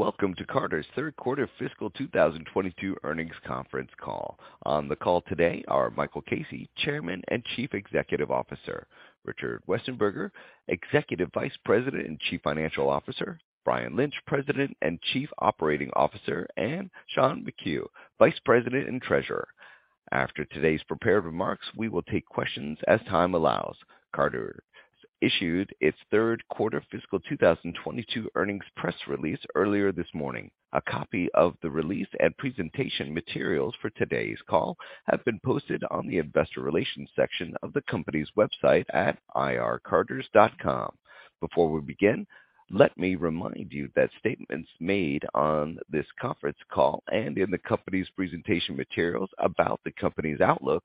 Welcome to Carter's Q3 fiscal 2022 earnings conference call. On the call today are Michael Casey, Chairman and Chief Executive Officer. Richard Westenberger, Executive Vice President and Chief Financial Officer. Brian Lynch, President and Chief Operating Officer, and Sean McHugh, Vice President and Treasurer. After today's prepared remarks, we will take questions as time allows. Carter issued its Q3 fiscal 2022 earnings press release earlier this morning. A copy of the release and presentation materials for today's call have been posted on the investor relations section of the company's website at ircarters.com. Before we begin, let me remind you that statements made on this conference call and in the company's presentation materials about the company's outlook,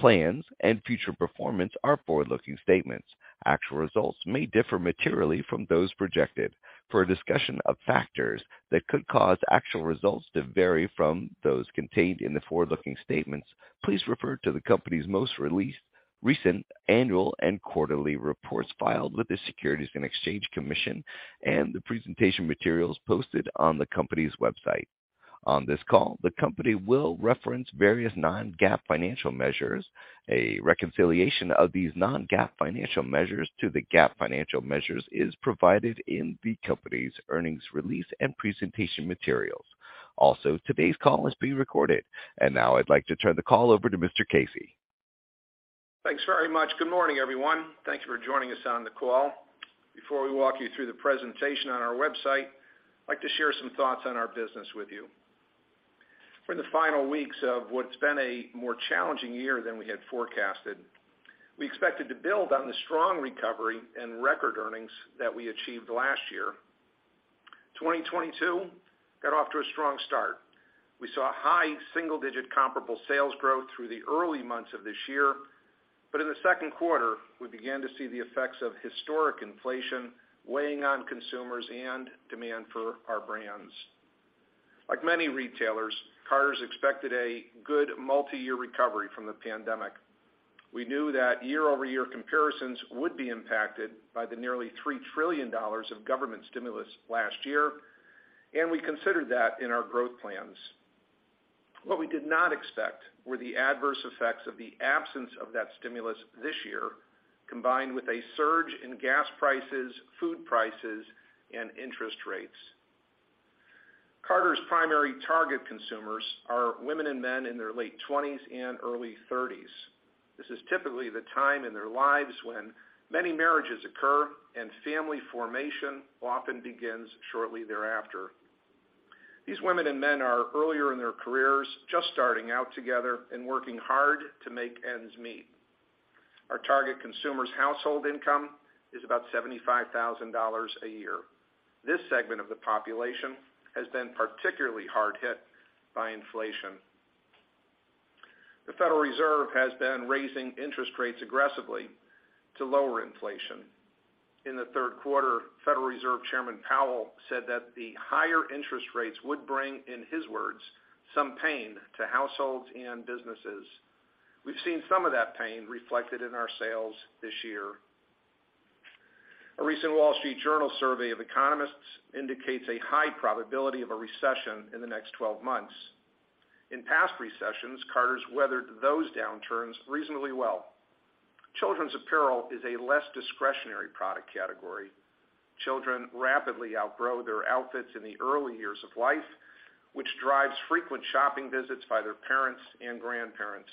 plans, and future performance are forward-looking statements. Actual results may differ materially from those projected. For a discussion of factors that could cause actual results to vary from those contained in the forward-looking statements, please refer to the company's most recent annual and quarterly reports filed with the Securities and Exchange Commission and the presentation materials posted on the company's website. On this call, the company will reference various non-GAAP financial measures. A reconciliation of these non-GAAP financial measures to the GAAP financial measures is provided in the company's earnings release and presentation materials. Also, today's call is being recorded. Now I'd like to turn the call over to Mr. Casey. Thanks very much. Good morning, everyone. Thank you for joining us on the call. Before we walk you through the presentation on our website, I'd like to share some thoughts on our business with you. We're in the final weeks of what's been a more challenging year than we had forecasted. We expected to build on the strong recovery and record earnings that we achieved last year. 2022 got off to a strong start. We saw high single-digit comparable sales growth through the early months of this year, but in the Q2, we began to see the effects of historic inflation weighing on consumers and demand for our brands. Like many retailers, Carter's expected a good multi-year recovery from the pandemic. We knew that quarter-over-quarter comparisons would be impacted by the nearly $3 trillion of government stimulus last year, and we considered that in our growth plans. What we did not expect were the adverse effects of the absence of that stimulus this year, combined with a surge in gas prices, food prices, and interest rates. Carter's primary target consumers are women and men in their late twenties and early thirties. This is typically the time in their lives when many marriages occur and family formation often begins shortly thereafter. These women and men are earlier in their careers, just starting out together and working hard to make ends meet. Our target consumers' household income is about $75,000 a year. This segment of the population has been particularly hard hit by inflation. The Federal Reserve has been raising interest rates aggressively to lower inflation. In the Q3, Federal Reserve Chairman Powell said that the higher interest rates would bring, in his words, "some pain to households and businesses." We've seen some of that pain reflected in our sales this year. A recent Wall Street Journal survey of economists indicates a high probability of a recession in the next 12 months. In past recessions, Carter's weathered those downturns reasonably well. Children's apparel is a less discretionary product category. Children rapidly outgrow their outfits in the early years of life, which drives frequent shopping visits by their parents and grandparents.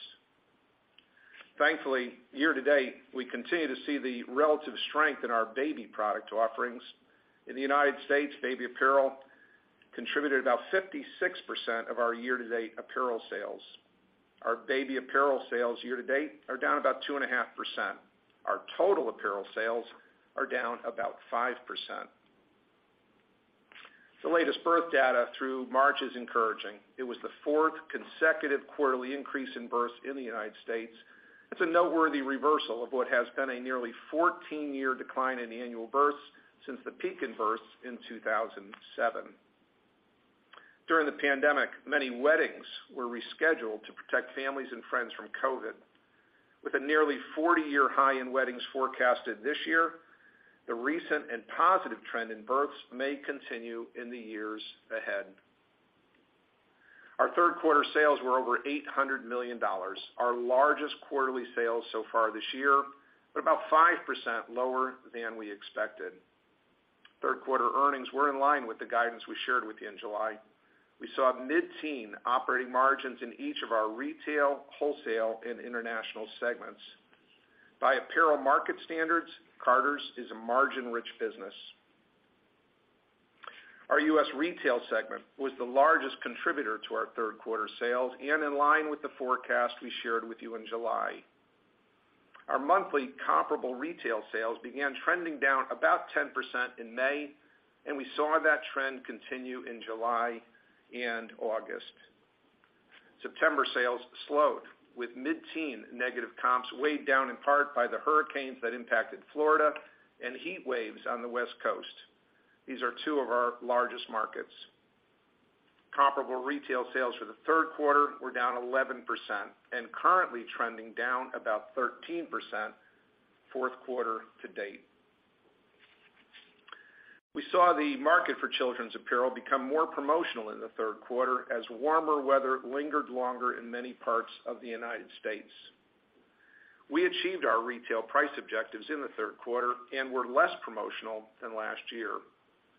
Thankfully, year to date, we continue to see the relative strength in our baby product offerings. In the United States, baby apparel contributed about 56% of our year-to-date apparel sales. Our baby apparel sales year to date are down about 2.5%. Our total apparel sales are down about 5%. The latest birth data through March is encouraging. It was the fourth consecutive quarterly increase in births in the United States. It's a noteworthy reversal of what has been a nearly 14-year decline in annual births since the peak in births in 2007. During the pandemic, many weddings were rescheduled to protect families and friends from COVID. With a nearly 40-year high in weddings forecasted this year, the recent and positive trend in births may continue in the years ahead. Our Q3 sales were over $800 million, our largest quarterly sales so far this year, but about 5% lower than we expected. Q3 earnings were in line with the guidance we shared with you in July. We saw mid-teen operating margins in each of our retail, wholesale, and international segments. By apparel market standards, Carter's is a margin-rich business. Our U.S. retail segment was the largest contributor to our Q3 sales and in line with the forecast we shared with you in July. Our monthly comparable retail sales began trending down about 10% in May, and we saw that trend continue in July and August. September sales slowed with mid-teen negative comps weighed down in part by the hurricanes that impacted Florida and heat waves on the West Coast. These are two of our largest markets. Comparable retail sales for the Q3 were down 11% and currently trending down about 13% Q4 to date. We saw the market for children's apparel become more promotional in the Q3 as warmer weather lingered longer in many parts of the United States. We achieved our retail price objectives in the Q3 and were less promotional than last year.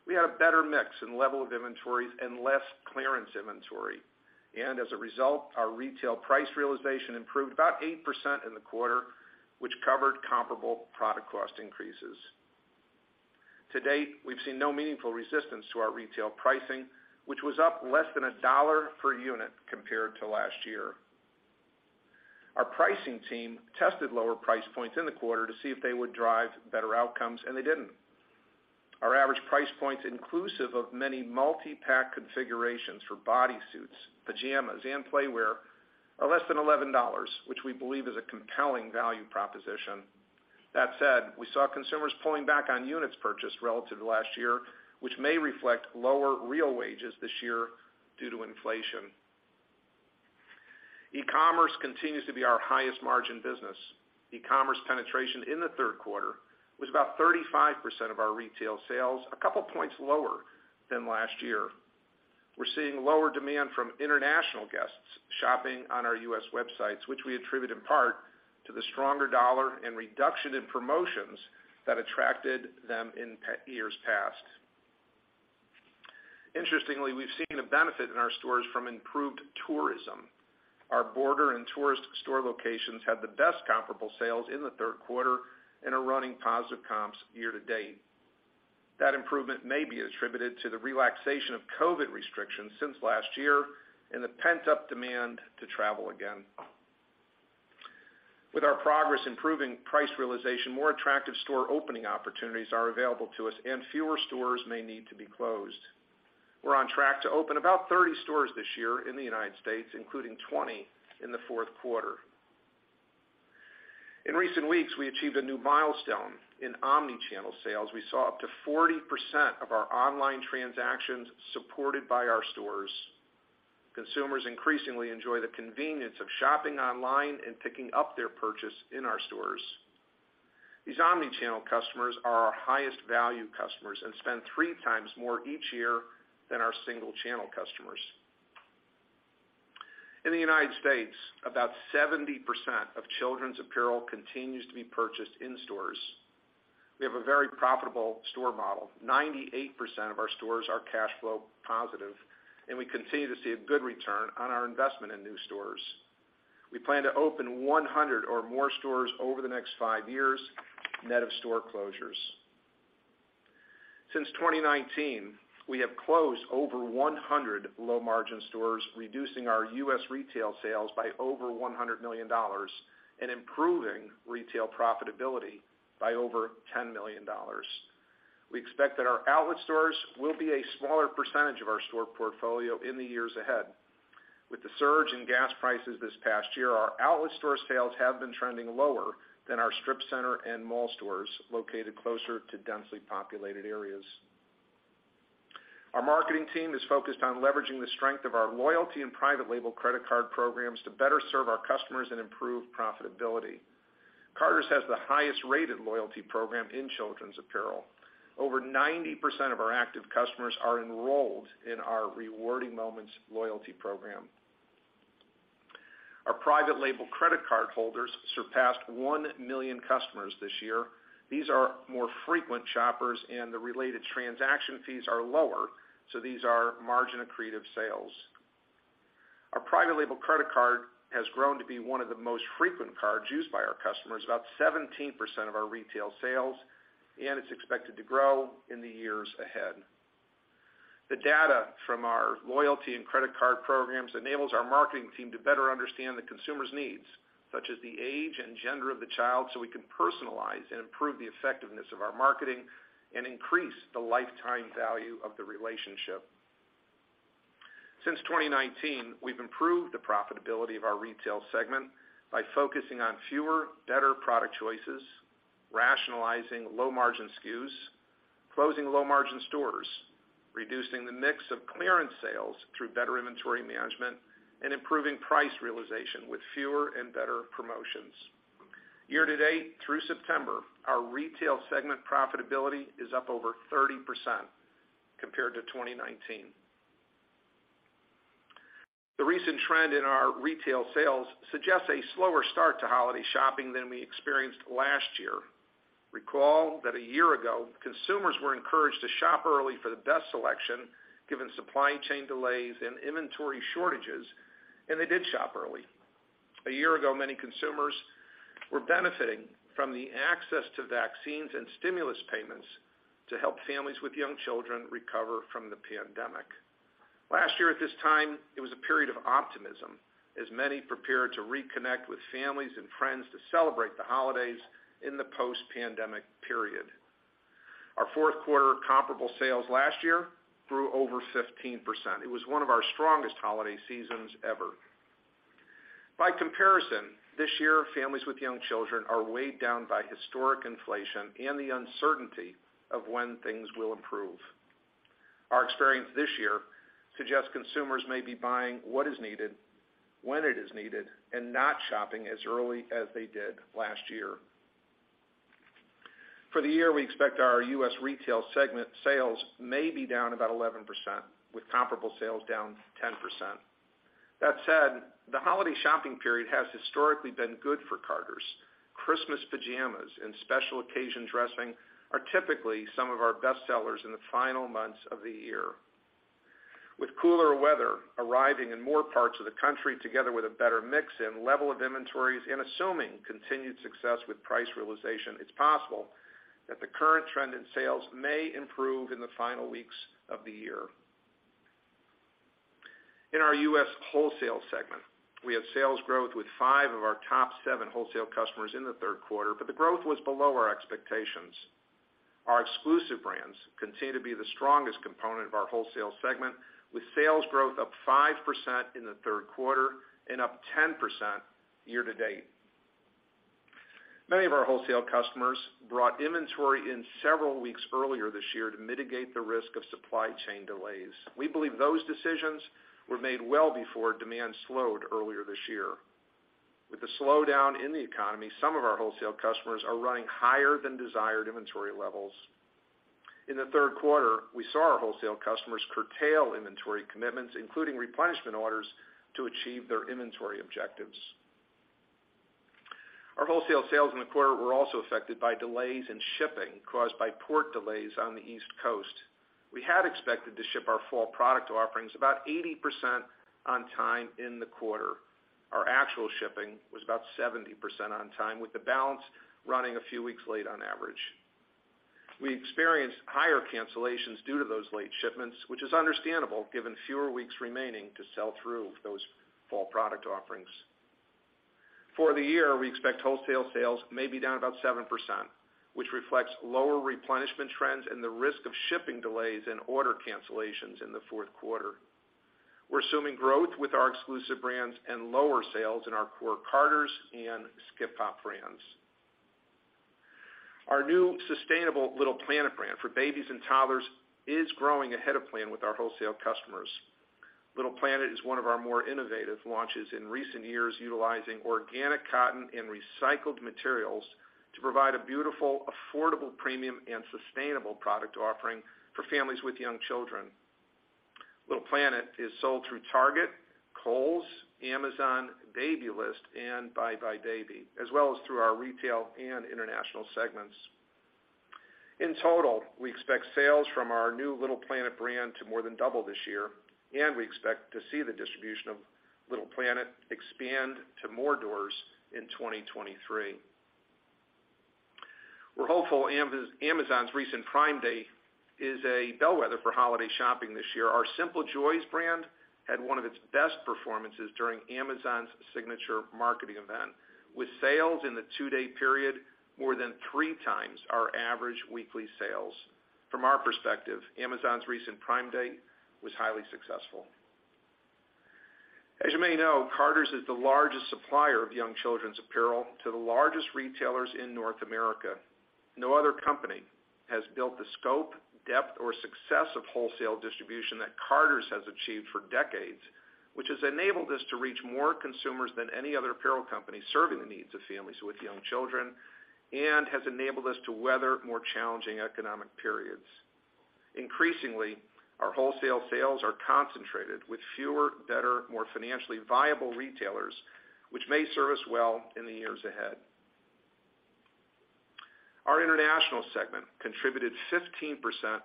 We had a better mix and level of inventories and less clearance inventory. As a result, our retail price realization improved about 8% in the quarter, which covered comparable product cost increases. To date, we've seen no meaningful resistance to our retail pricing, which was up less than $1 per unit compared to last year. Our pricing team tested lower price points in the quarter to see if they would drive better outcomes, and they didn't. Our average price points, inclusive of many multi-pack configurations for bodysuits, pajamas, and playwear, are less than $11, which we believe is a compelling value proposition. That said, we saw consumers pulling back on units purchased relative to last year, which may reflect lower real wages this year due to inflation. E-commerce continues to be our highest margin business. E-commerce penetration in the Q3 was about 35% of our retail sales, a couple points lower than last year. We're seeing lower demand from international guests shopping on our US websites, which we attribute in part to the stronger dollar and reduction in promotions that attracted them in years past. Interestingly, we've seen a benefit in our stores from improved tourism. Our border and tourist store locations had the best comparable sales in the Q3 and are running positive comps year to date. That improvement may be attributed to the relaxation of COVID restrictions since last year and the pent-up demand to travel again. With our progress improving price realization, more attractive store opening opportunities are available to us, and fewer stores may need to be closed. We're on track to open about 30 stores this year in the United States, including 20 in the Q4. In recent weeks, we achieved a new milestone. In omni-channel sales, we saw up to 40% of our online transactions supported by our stores. Consumers increasingly enjoy the convenience of shopping online and picking up their purchase in our stores. These omni-channel customers are our highest value customers and spend three times more each year than our single-channel customers. In the United States, about 70% of children's apparel continues to be purchased in stores. We have a very profitable store model. 98% of our stores are cash flow positive, and we continue to see a good return on our investment in new stores. We plan to open 100 or more stores over the next five years, net of store closures. Since 2019, we have closed over 100 low-margin stores, reducing our U.S. retail sales by over $100 million and improving retail profitability by over $10 million. We expect that our outlet stores will be a smaller percentage of our store portfolio in the years ahead. With the surge in gas prices this past year, our outlet store sales have been trending lower than our strip center and mall stores located closer to densely populated areas. Our marketing team is focused on leveraging the strength of our loyalty and private label credit card programs to better serve our customers and improve profitability. Carter's has the highest rated loyalty program in children's apparel. Over 90% of our active customers are enrolled in our Rewarding Moments loyalty program. Our private label credit card holders surpassed one million customers this year. These are more frequent shoppers and the related transaction fees are lower, so these are margin-accretive sales. Our private label credit card has grown to be one of the most frequent cards used by our customers, about 17% of our retail sales, and it's expected to grow in the years ahead. The data from our loyalty and credit card programs enables our marketing team to better understand the consumer's needs, such as the age and gender of the child, so we can personalize and improve the effectiveness of our marketing and increase the lifetime value of the relationship. Since 2019, we've improved the profitability of our retail segment by focusing on fewer, better product choices, rationalizing low-margin SKUs, closing low-margin stores, reducing the mix of clearance sales through better inventory management, and improving price realization with fewer and better promotions. Year to date through September, our retail segment profitability is up over 30% compared to 2019. The recent trend in our retail sales suggests a slower start to holiday shopping than we experienced last year. Recall that a year ago, consumers were encouraged to shop early for the best selection, given supply chain delays and inventory shortages, and they did shop early. A year ago, many consumers were benefiting from the access to vaccines and stimulus payments to help families with young children recover from the pandemic. Last year at this time, it was a period of optimism, as many prepared to reconnect with families and friends to celebrate the holidays in the post-pandemic period. Our Q4 comparable sales last year grew over 15%. It was one of our strongest holiday seasons ever. By comparison, this year, families with young children are weighed down by historic inflation and the uncertainty of when things will improve. Our experience this year suggests consumers may be buying what is needed, when it is needed, and not shopping as early as they did last year. For the year, we expect our U.S. Retail segment sales may be down about 11%, with comparable sales down 10%. That said, the holiday shopping period has historically been good for Carter's. Christmas pajamas and special occasion dressing are typically some of our best sellers in the final months of the year. With cooler weather arriving in more parts of the country together with a better mix in level of inventories and assuming continued success with price realization, it's possible that the current trend in sales may improve in the final weeks of the year. In our U.S. Wholesale segment, we have sales growth with five of our top seven wholesale customers in the Q3, but the growth was below our expectations. Our exclusive brands continue to be the strongest component of our wholesale segment, with sales growth up 5% in the Q3 and up 10% year-to-date. Many of our wholesale customers brought inventory in several weeks earlier this year to mitigate the risk of supply chain delays. We believe those decisions were made well before demand slowed earlier this year. With the slowdown in the economy, some of our wholesale customers are running higher than desired inventory levels. In the Q3, we saw our wholesale customers curtail inventory commitments, including replenishment orders to achieve their inventory objectives. Our wholesale sales in the quarter were also affected by delays in shipping caused by port delays on the East Coast. We had expected to ship our fall product offerings about 80% on time in the quarter. Our actual shipping was about 70% on time, with the balance running a few weeks late on average. We experienced higher cancellations due to those late shipments, which is understandable given fewer weeks remaining to sell through those fall product offerings. For the year, we expect wholesale sales may be down about 7%, which reflects lower replenishment trends and the risk of shipping delays and order cancellations in the Q4. We're assuming growth with our exclusive brands and lower sales in our core Carter's and Skip Hop brands. Our new sustainable Little Planet brand for babies and toddlers is growing ahead of plan with our wholesale customers. Little Planet is one of our more innovative launches in recent years, utilizing organic cotton and recycled materials to provide a beautiful, affordable premium and sustainable product offering for families with young children. Little Planet is sold through Target, Kohl's, Amazon, Babylist, and buybuy BABY, as well as through our retail and international segments. In total, we expect sales from our new Little Planet brand to more than double this year, and we expect to see the distribution of Little Planet expand to more doors in 2023. We're hopeful Amazon's recent Prime Day is a bellwether for holiday shopping this year. Our Simple Joys brand had one of its best performances during Amazon's signature marketing event, with sales in the two-day period more than 3x our average weekly sales. From our perspective, Amazon's recent Prime Day was highly successful. As you may know, Carter's is the largest supplier of young children's apparel to the largest retailers in North America. No other company has built the scope, depth, or success of wholesale distribution that Carter's has achieved for decades, which has enabled us to reach more consumers than any other apparel company serving the needs of families with young children and has enabled us to weather more challenging economic periods. Increasingly, our wholesale sales are concentrated with fewer, better, more financially viable retailers, which may serve us well in the years ahead. Our International segment contributed 15%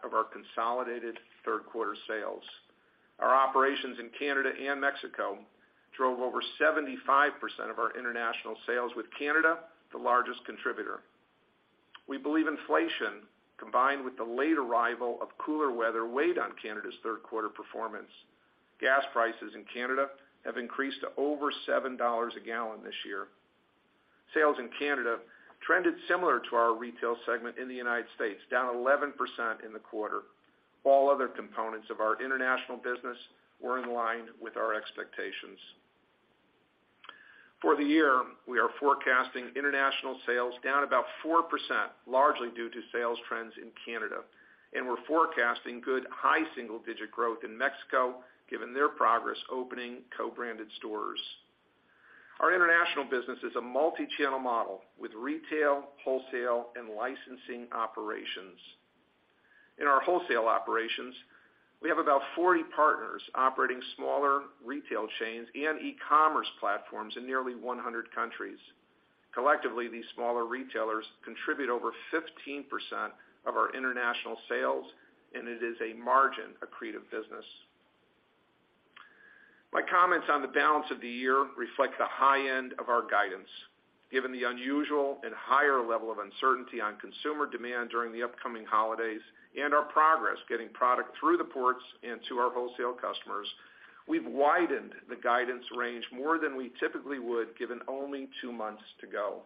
of our consolidated third-quarter sales. Our operations in Canada and Mexico drove over 75% of our international sales, with Canada the largest contributor. We believe inflation, combined with the late arrival of cooler weather, weighed on Canada's third-quarter performance. Gas prices in Canada have increased to over 7 dollars a gallon this year. Sales in Canada trended similar to our retail segment in the United States, down 11% in the quarter. All other components of our international business were in line with our expectations. For the year, we are forecasting international sales down about 4%, largely due to sales trends in Canada, and we're forecasting good high single-digit growth in Mexico, given their progress opening co-branded stores. Our international business is a multi-channel model with retail, wholesale, and licensing operations. In our wholesale operations, we have about 40 partners operating smaller retail chains and e-commerce platforms in nearly 100 countries. Collectively, these smaller retailers contribute over 15% of our international sales, and it is a margin-accretive business. My comments on the balance of the year reflect the high end of our guidance. Given the unusual and higher level of uncertainty on consumer demand during the upcoming holidays and our progress getting product through the ports and to our wholesale customers, we've widened the guidance range more than we typically would given only two months to go.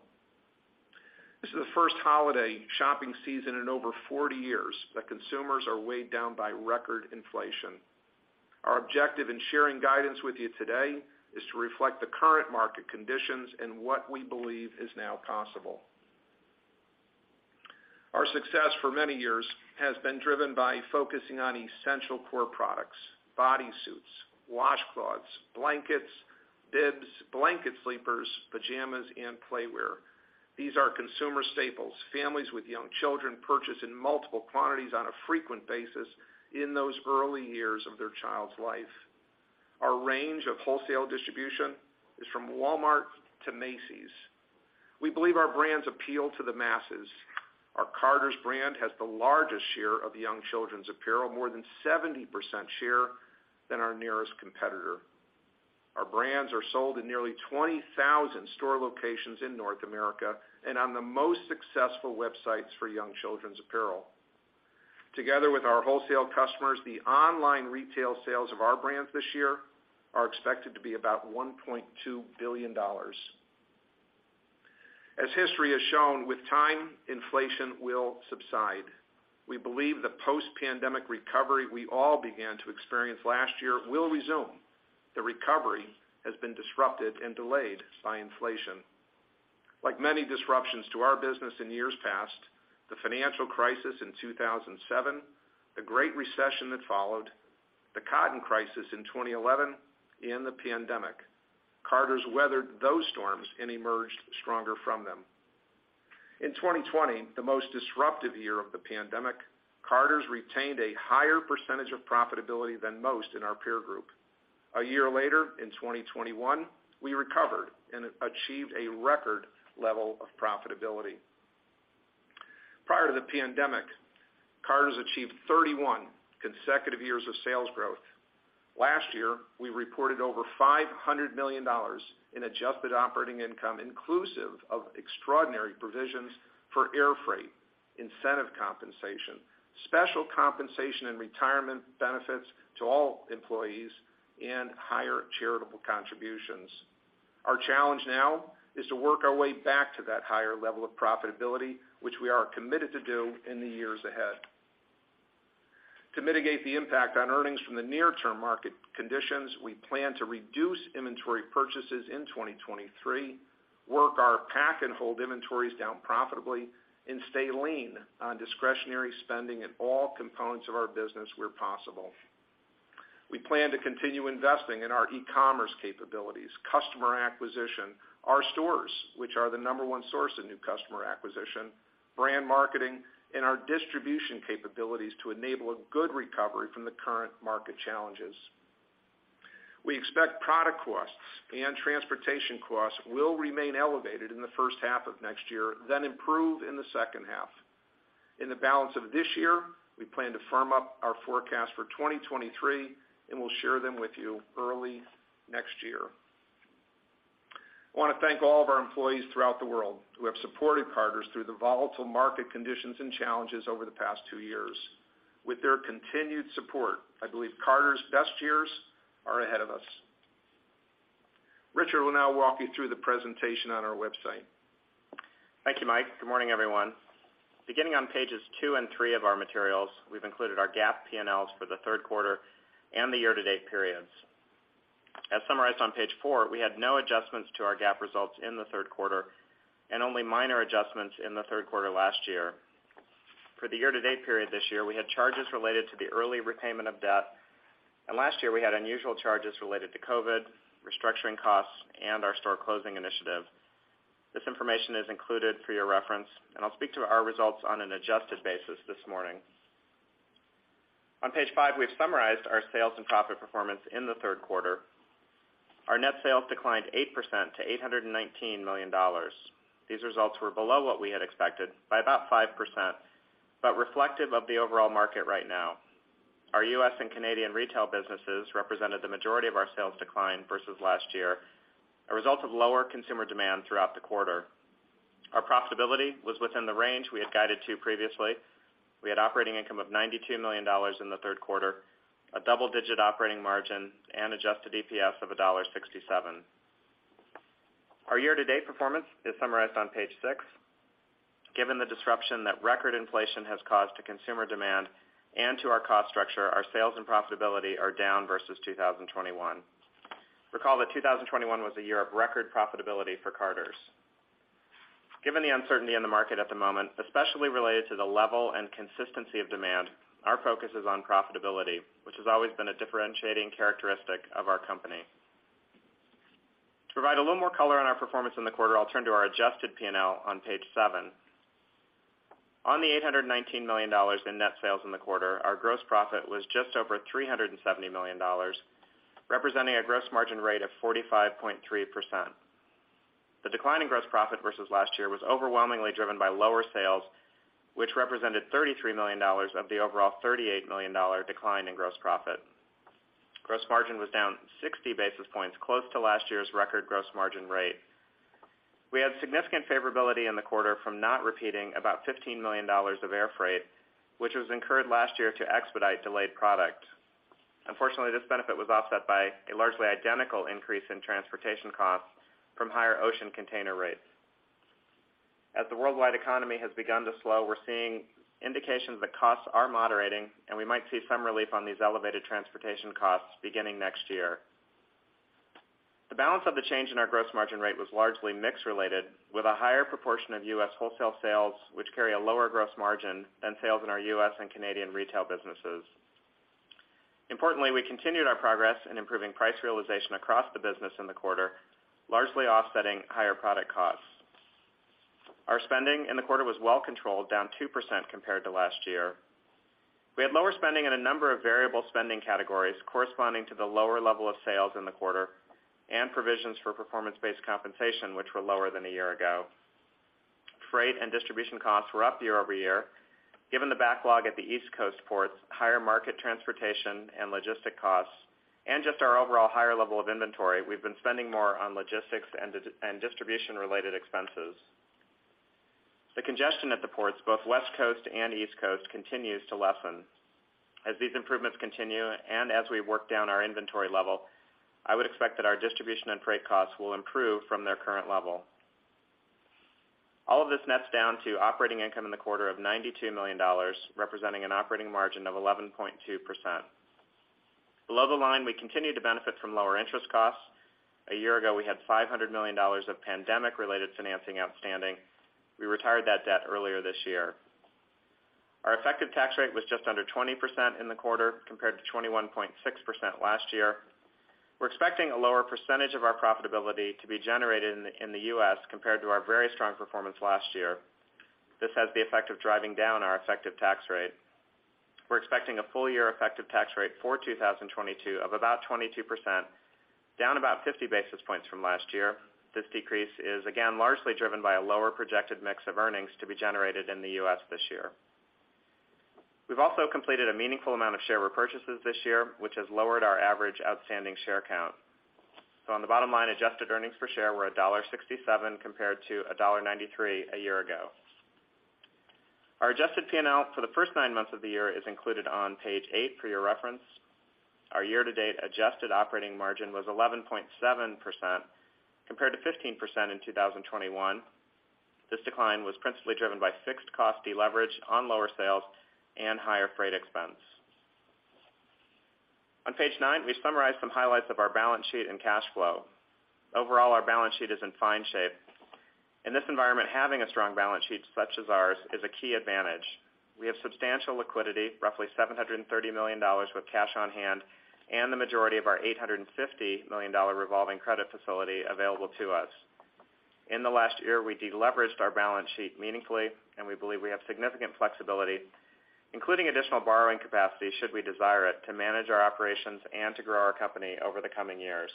This is the first holiday shopping season in over 40 years that consumers are weighed down by record inflation. Our objective in sharing guidance with you today is to reflect the current market conditions and what we believe is now possible. Our success for many years has been driven by focusing on essential core products, bodysuits, washcloths, blankets, bibs, blanket sleepers, pajamas, and playwear. These are consumer staples families with young children purchase in multiple quantities on a frequent basis in those early years of their child's life. Our range of wholesale distribution is from Walmart to Macy's. We believe our brands appeal to the masses. Our Carter's brand has the largest share of young children's apparel, more than 70% share than our nearest competitor. Our brands are sold in nearly 20,000 store locations in North America and on the most successful websites for young children's apparel. Together with our wholesale customers, the online retail sales of our brands this year are expected to be about $1.2 billion. As history has shown, with time, inflation will subside. We believe the post-pandemic recovery we all began to experience last year will resume. The recovery has been disrupted and delayed by inflation. Like many disruptions to our business in years past, the financial crisis in 2007, the Great Recession that followed, the cotton crisis in 2011, and the pandemic, Carter's weathered those storms and emerged stronger from them. In 2020, the most disruptive year of the pandemic, Carter's retained a higher percentage of profitability than most in our peer group. A year later, in 2021, we recovered and achieved a record level of profitability. Prior to the pandemic, Carter's achieved 31 consecutive years of sales growth. Last year, we reported over $500 million in adjusted operating income, inclusive of extraordinary provisions for air freight, incentive compensation, special compensation and retirement benefits to all employees, and higher charitable contributions. Our challenge now is to work our way back to that higher level of profitability, which we are committed to do in the years ahead. To mitigate the impact on earnings from the near-term market conditions, we plan to reduce inventory purchases in 2023, work our pack and hold inventories down profitably, and stay lean on discretionary spending in all components of our business where possible. We plan to continue investing in our e-commerce capabilities, customer acquisition, our stores, which are the number one source of new customer acquisition, brand marketing, and our distribution capabilities to enable a good recovery from the current market challenges. We expect product costs and transportation costs will remain elevated in the H1 of next year, then improve in the H2. In the balance of this year, we plan to firm up our forecast for 2023, and we'll share them with you early next year. I wanna thank all of our employees throughout the world who have supported Carter's through the volatile market conditions and challenges over the past two years. With their continued support, I believe Carter's best years are ahead of us. Richard will now walk you through the presentation on our website. Thank you, Mike. Good morning, everyone. Beginning on pages two and three of our materials, we've included our GAAP P&Ls for the Q3 and the year-to-date periods. As summarized on page four, we had no adjustments to our GAAP results in the Q3 and only minor adjustments in the Q3 last year. For the year-to-date period this year, we had charges related to the early repayment of debt, and last year, we had unusual charges related to COVID, restructuring costs, and our store closing initiative. This information is included for your reference, and I'll speak to our results on an adjusted basis this morning. On page 5, we've summarized our sales and profit performance in the Q3. Our net sales declined 8% to $819 million. These results were below what we had expected by about 5%, but reflective of the overall market right now. Our US and Canadian retail businesses represented the majority of our sales decline versus last year, a result of lower consumer demand throughout the quarter. Our profitability was within the range we had guided to previously. We had operating income of $92 million in the Q3, a double-digit operating margin, and adjusted EPS of $1.67. Our year-to-date performance is summarized on page 6. Given the disruption that record inflation has caused to consumer demand and to our cost structure, our sales and profitability are down versus 2021. Recall that 2021 was a year of record profitability for Carter's. Given the uncertainty in the market at the moment, especially related to the level and consistency of demand, our focus is on profitability, which has always been a differentiating characteristic of our company. To provide a little more color on our performance in the quarter, I'll turn to our adjusted P&L on page seven. On the $819 million in net sales in the quarter, our gross profit was just over $370 million, representing a gross margin rate of 45.3%. The decline in gross profit versus last year was overwhelmingly driven by lower sales, which represented $33 million of the overall $38 million dollar decline in gross profit. Gross margin was down 60 basis points, close to last year's record gross margin rate. We had significant favorability in the quarter from not repeating about $15 million of air freight, which was incurred last year to expedite delayed product. Unfortunately, this benefit was offset by a largely identical increase in transportation costs from higher ocean container rates. As the worldwide economy has begun to slow, we're seeing indications that costs are moderating, and we might see some relief on these elevated transportation costs beginning next year. The balance of the change in our gross margin rate was largely mix related, with a higher proportion of U.S. wholesale sales, which carry a lower gross margin than sales in our U.S. and Canadian retail businesses. Importantly, we continued our progress in improving price realization across the business in the quarter, largely offsetting higher product costs. Our spending in the quarter was well controlled, down 2% compared to last year. We had lower spending in a number of variable spending categories corresponding to the lower level of sales in the quarter and provisions for performance-based compensation, which were lower than a year ago. Freight and distribution costs were up quarter-over-quarter. Given the backlog at the East Coast ports, higher market transportation and logistic costs, and just our overall higher level of inventory, we've been spending more on logistics and distribution-related expenses. The congestion at the ports, both West Coast and East Coast, continues to lessen. As these improvements continue and as we work down our inventory level, I would expect that our distribution and freight costs will improve from their current level. All of this nets down to operating income in the quarter of $92 million, representing an operating margin of 11.2%. Below the line, we continue to benefit from lower interest costs. A year ago, we had $500 million of pandemic-related financing outstanding. We retired that debt earlier this year. Our effective tax rate was just under 20% in the quarter, compared to 21.6% last year. We're expecting a lower percentage of our profitability to be generated in the U.S. compared to our very strong performance last year. This has the effect of driving down our effective tax rate. We're expecting a full-year effective tax rate for 2022 of about 22%, down about 50 basis points from last year. This decrease is again, largely driven by a lower projected mix of earnings to be generated in the U.S. this year. We've also completed a meaningful amount of share repurchases this year, which has lowered our average outstanding share count. On the bottom line, adjusted earnings per share were $1.67 compared to $1.93 a year ago. Our adjusted P&L for the first 9 months of the year is included on page 8 for your reference. Our year-to-date adjusted operating margin was 11.7% compared to 15% in 2021. This decline was principally driven by fixed cost deleverage on lower sales and higher freight expense. On page nine, we've summarized some highlights of our balance sheet and cash flow. Overall, our balance sheet is in fine shape. In this environment, having a strong balance sheet such as ours is a key advantage. We have substantial liquidity, roughly $730 million with cash on hand, and the majority of our $850 million revolving credit facility available to us. In the last year, we deleveraged our balance sheet meaningfully, and we believe we have significant flexibility, including additional borrowing capacity should we desire it, to manage our operations and to grow our company over the coming years.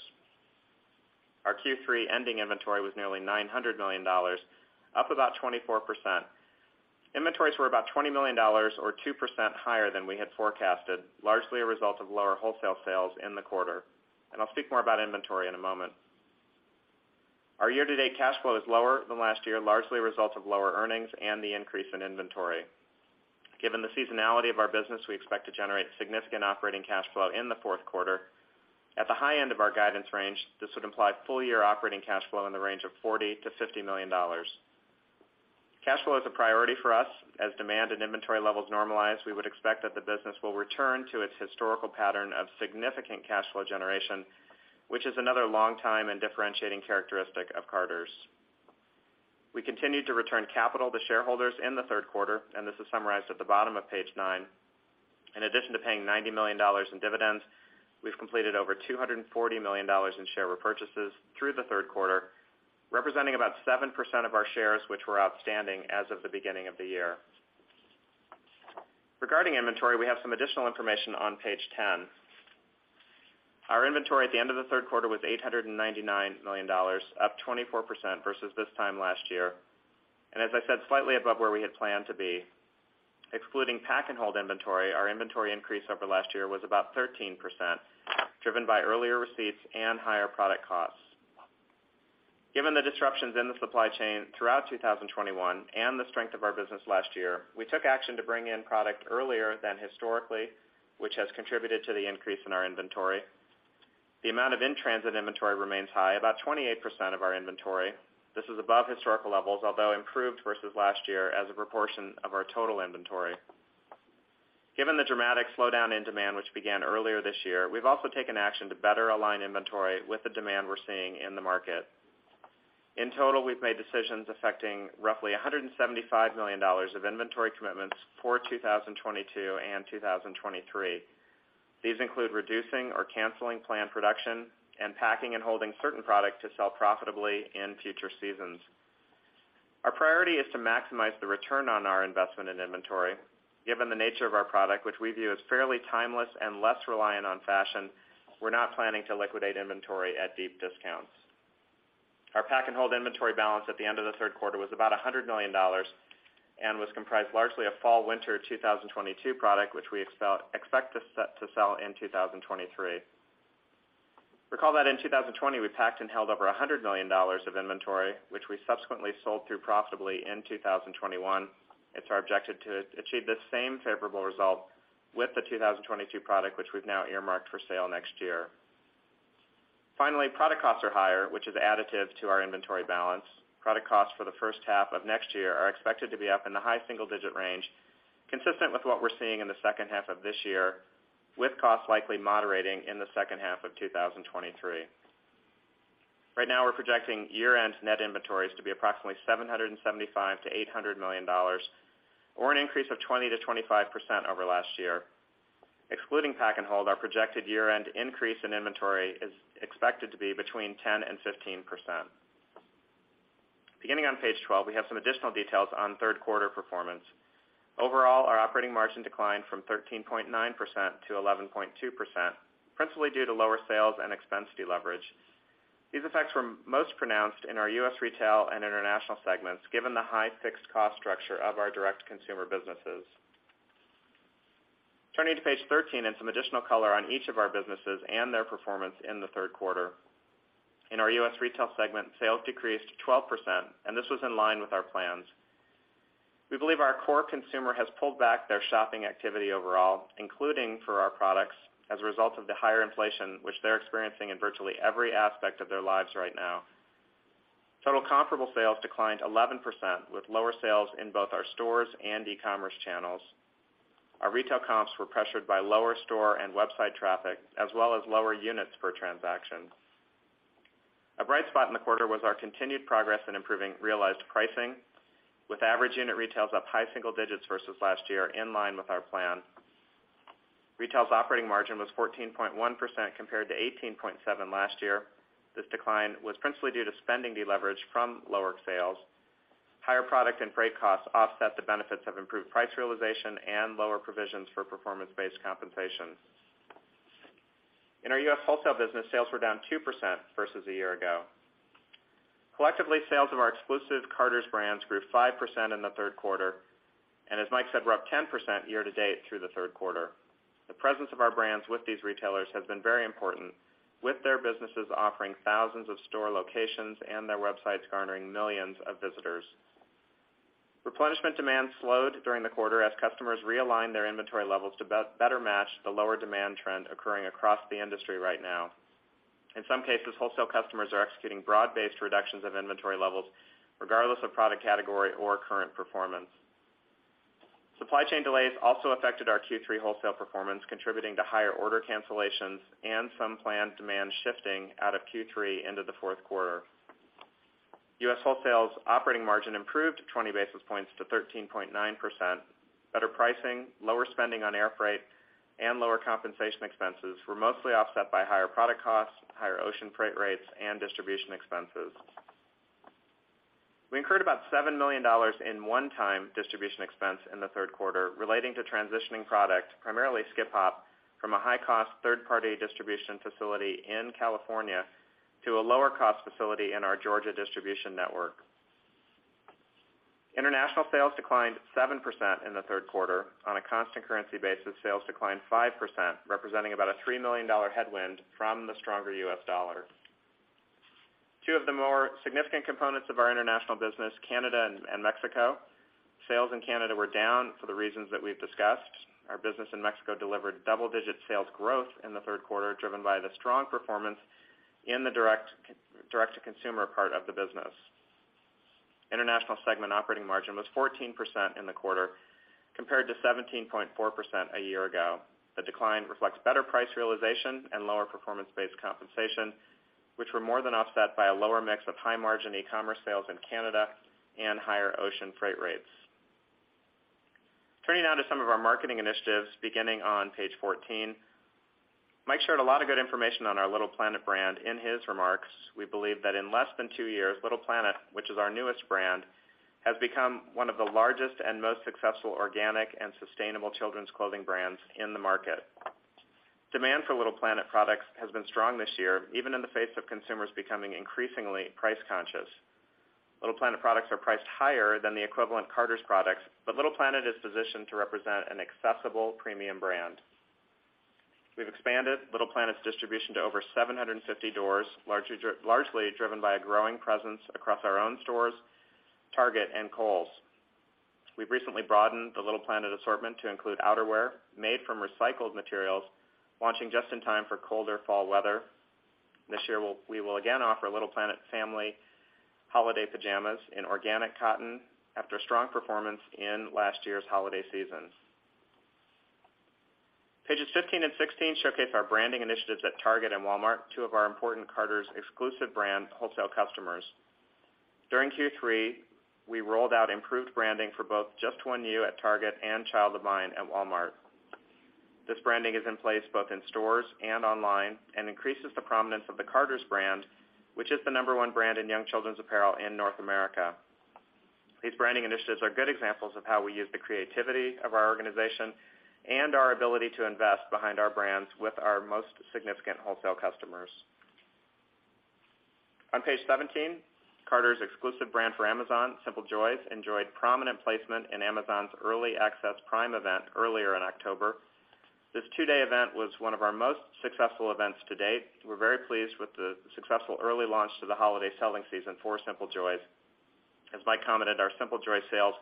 Our Q3 ending inventory was nearly $900 million, up about 24%. Inventories were about $20 million or 2% higher than we had forecasted, largely a result of lower wholesale sales in the quarter. I'll speak more about inventory in a moment. Our year-to-date cash flow is lower than last year, largely a result of lower earnings and the increase in inventory. Given the seasonality of our business, we expect to generate significant operating cash flow in the Q4. At the high end of our guidance range, this would imply full-year operating cash flow in the range of $40 million-$50 million. Cash flow is a priority for us. As demand and inventory levels normalize, we would expect that the business will return to its historical pattern of significant cash flow generation, which is another longtime and differentiating characteristic of Carter's. We continued to return capital to shareholders in the Q3, and this is summarized at the bottom of page nine. In addition to paying $90 million in dividends, we've completed over $240 million in share repurchases through the Q3, representing about 7% of our shares which were outstanding as of the beginning of the year. Regarding inventory, we have some additional information on page 10. Our inventory at the end of the Q3 was $899 million, up 24% versus this time last year, and as I said, slightly above where we had planned to be. Excluding pack and hold inventory, our inventory increase over last year was about 13%, driven by earlier receipts and higher product costs. Given the disruptions in the supply chain throughout 2021 and the strength of our business last year, we took action to bring in product earlier than historically, which has contributed to the increase in our inventory. The amount of in-transit inventory remains high, about 28% of our inventory. This is above historical levels, although improved versus last year as a proportion of our total inventory. Given the dramatic slowdown in demand which began earlier this year, we've also taken action to better align inventory with the demand we're seeing in the market. In total, we've made decisions affecting roughly $175 million of inventory commitments for 2022 and 2023. These include reducing or canceling planned production and packing and holding certain product to sell profitably in future seasons. Our priority is to maximize the return on our investment in inventory. Given the nature of our product, which we view as fairly timeless and less reliant on fashion, we're not planning to liquidate inventory at deep discounts. Our pack and hold inventory balance at the end of the Q3 was about $100 million and was comprised largely of fall/winter 2022 product, which we expect to sell in 2023. Recall that in 2020, we packed and held over $100 million of inventory, which we subsequently sold through profitably in 2021. It's our objective to achieve this same favorable result with the 2022 product, which we've now earmarked for sale next year. Finally, product costs are higher, which is additive to our inventory balance. Product costs for the H1 of next year are expected to be up in the high single-digit range, consistent with what we're seeing in the H2 of this year, with costs likely moderating in the H2 of 2023. Right now, we're projecting year-end net inventories to be approximately $775 million-$800 million, or an increase of 20%-25% over last year. Excluding pack and hold, our projected year-end increase in inventory is expected to be between 10% and 15%. Beginning on page 12, we have some additional details on Q3 performance. Overall, our operating margin declined from 13.9% to 11.2%, principally due to lower sales and expense deleverage. These effects were most pronounced in our U.S. retail and international segments, given the high fixed cost structure of our direct consumer businesses. Turning to page 13 and some additional color on each of our businesses and their performance in the Q3. In our U.S. retail segment, sales decreased 12%, and this was in line with our plans. We believe our core consumer has pulled back their shopping activity overall, including for our products as a result of the higher inflation, which they're experiencing in virtually every aspect of their lives right now. Total comparable sales declined 11%, with lower sales in both our stores and e-commerce channels. Our retail comps were pressured by lower store and website traffic, as well as lower units per transaction. A bright spot in the quarter was our continued progress in improving realized pricing, with average unit retails up high single digits versus last year, in line with our plan. Retail's operating margin was 14.1% compared to 18.7% last year. This decline was principally due to spending deleverage from lower sales. Higher product and freight costs offset the benefits of improved price realization and lower provisions for performance-based compensation. In our U.S. wholesale business, sales were down 2% versus a year ago. Collectively, sales of our exclusive Carter's brands grew 5% in the Q3, and as Mike said, we're up 10% year to date through the Q3. The presence of our brands with these retailers has been very important, with their businesses offering thousands of store locations and their websites garnering millions of visitors. Replenishment demand slowed during the quarter as customers realigned their inventory levels to better match the lower demand trend occurring across the industry right now. In some cases, wholesale customers are executing broad-based reductions of inventory levels regardless of product category or current performance. Supply chain delays also affected our Q3 wholesale performance, contributing to higher order cancellations and some planned demand shifting out of Q3 into the Q4. U.S. wholesale's operating margin improved 20 basis points to 13.9%. Better pricing, lower spending on air freight, and lower compensation expenses were mostly offset by higher product costs, higher ocean freight rates, and distribution expenses. We incurred about $7 million in one-time distribution expense in the Q3 relating to transitioning product, primarily Skip Hop, from a high-cost third-party distribution facility in California to a lower-cost facility in our Georgia distribution network. International sales declined 7% in the Q3. On a constant currency basis, sales declined 5%, representing about a $3 million headwind from the stronger US dollar. Two of the more significant components of our international business, Canada and Mexico. Sales in Canada were down for the reasons that we've discussed. Our business in Mexico delivered double-digit sales growth in the Q3, driven by the strong performance in the direct-to-consumer part of the business. International segment operating margin was 14% in the quarter, compared to 17.4% a year ago. The decline reflects better price realization and lower performance-based compensation, which were more than offset by a lower mix of high-margin e-commerce sales in Canada and higher ocean freight rates. Turning now to some of our marketing initiatives beginning on page 14. Mike shared a lot of good information on our Little Planet brand in his remarks. We believe that in less than two years, Little Planet, which is our newest brand, has become one of the largest and most successful organic and sustainable children's clothing brands in the market. Demand for Little Planet products has been strong this year, even in the face of consumers becoming increasingly price conscious. Little Planet products are priced higher than the equivalent Carter's products, but Little Planet is positioned to represent an accessible premium brand. We've expanded Little Planet's distribution to over 750 doors, largely driven by a growing presence across our own stores, Target and Kohl's. We've recently broadened the Little Planet assortment to include outerwear made from recycled materials, launching just in time for colder fall weather. This year, we will again offer Little Planet family holiday pajamas in organic cotton after strong performance in last year's holiday seasons. Pages 15 and 16 showcase our branding initiatives at Target and Walmart, two of our important Carter's exclusive brand wholesale customers. During Q3, we rolled out improved branding for both Just One You at Target and Child of Mine at Walmart. This branding is in place both in stores and online and increases the prominence of the Carter's brand, which is the number one brand in young children's apparel in North America. These branding initiatives are good examples of how we use the creativity of our organization and our ability to invest behind our brands with our most significant wholesale customers. On page 17, Carter's exclusive brand for Amazon, Simple Joys, enjoyed prominent placement in Amazon's early access Prime event earlier in October. This two-day event was one of our most successful events to date. We're very pleased with the successful early launch to the holiday selling season for Simple Joys. As Mike commented, our Simple Joys sales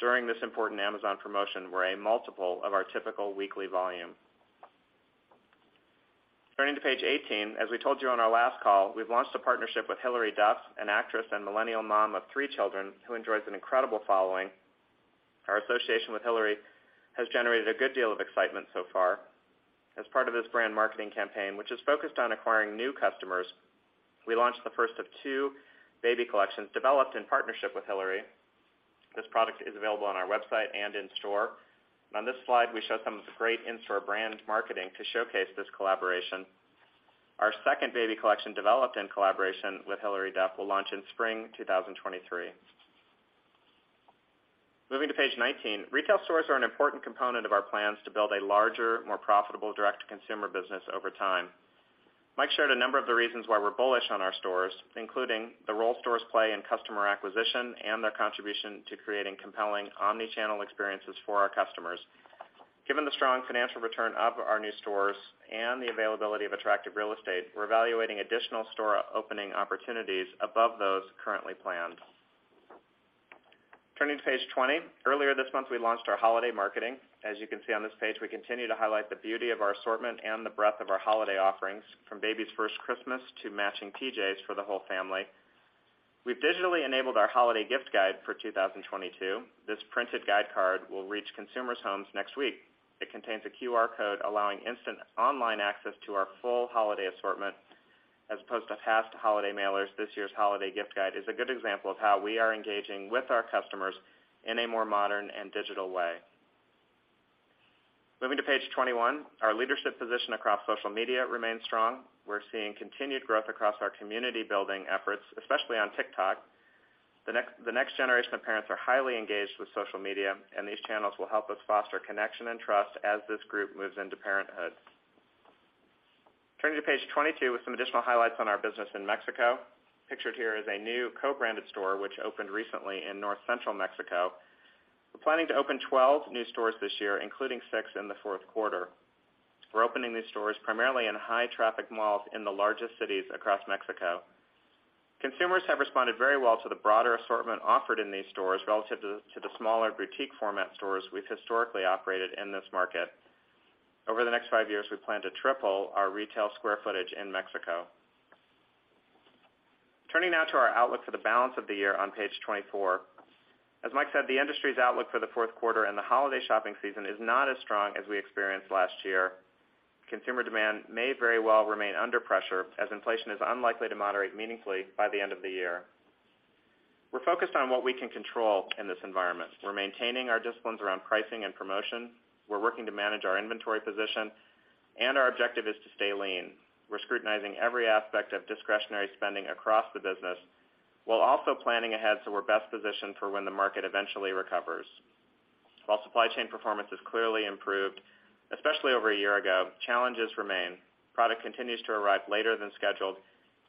during this important Amazon promotion were a multiple of our typical weekly volume. Turning to page 18, as we told you on our last call, we've launched a partnership with Hilary Duff, an actress and millennial mom of three children, who enjoys an incredible following. Our association with Hilary has generated a good deal of excitement so far. As part of this brand marketing campaign, which is focused on acquiring new customers, we launched the first of two baby collections developed in partnership with Hilary. This product is available on our website and in store. On this slide, we show some of the great in-store brand marketing to showcase this collaboration. Our second baby collection, developed in collaboration with Hilary Duff, will launch in spring 2023. Moving to page 19. Retail stores are an important component of our plans to build a larger, more profitable direct-to-consumer business over time. Mike shared a number of the reasons why we're bullish on our stores, including the role stores play in customer acquisition and their contribution to creating compelling omni-channel experiences for our customers. Given the strong financial return of our new stores and the availability of attractive real estate, we're evaluating additional store opening opportunities above those currently planned. Turning to page 20. Earlier this month, we launched our holiday marketing. As you can see on this page, we continue to highlight the beauty of our assortment and the breadth of our holiday offerings, from baby's first Christmas to matching PJs for the whole family. We've digitally enabled our holiday gift guide for 2022. This printed guide card will reach consumers' homes next week. It contains a QR code allowing instant online access to our full holiday assortment. As opposed to past holiday mailers, this year's holiday gift guide is a good example of how we are engaging with our customers in a more modern and digital way. Moving to page 21. Our leadership position across social media remains strong. We're seeing continued growth across our community building efforts, especially on TikTok. The next generation of parents are highly engaged with social media, and these channels will help us foster connection and trust as this group moves into parenthood. Turning to page 22 with some additional highlights on our business in Mexico. Pictured here is a new co-branded store which opened recently in north-central Mexico. We're planning to open 12 new stores this year, including six in the Q4. We're opening these stores primarily in high-traffic malls in the largest cities across Mexico. Consumers have responded very well to the broader assortment offered in these stores relative to the smaller boutique format stores we've historically operated in this market. Over the next five years, we plan to triple our retail square footage in Mexico. Turning now to our outlook for the balance of the year on page 24. As Mike said, the industry's outlook for the Q4 and the holiday shopping season is not as strong as we experienced last year. Consumer demand may very well remain under pressure as inflation is unlikely to moderate meaningfully by the end of the year. We're focused on what we can control in this environment. We're maintaining our disciplines around pricing and promotion. We're working to manage our inventory position, and our objective is to stay lean. We're scrutinizing every aspect of discretionary spending across the business while also planning ahead so we're best positioned for when the market eventually recovers. While supply chain performance has clearly improved, especially over a year ago, challenges remain. Product continues to arrive later than scheduled,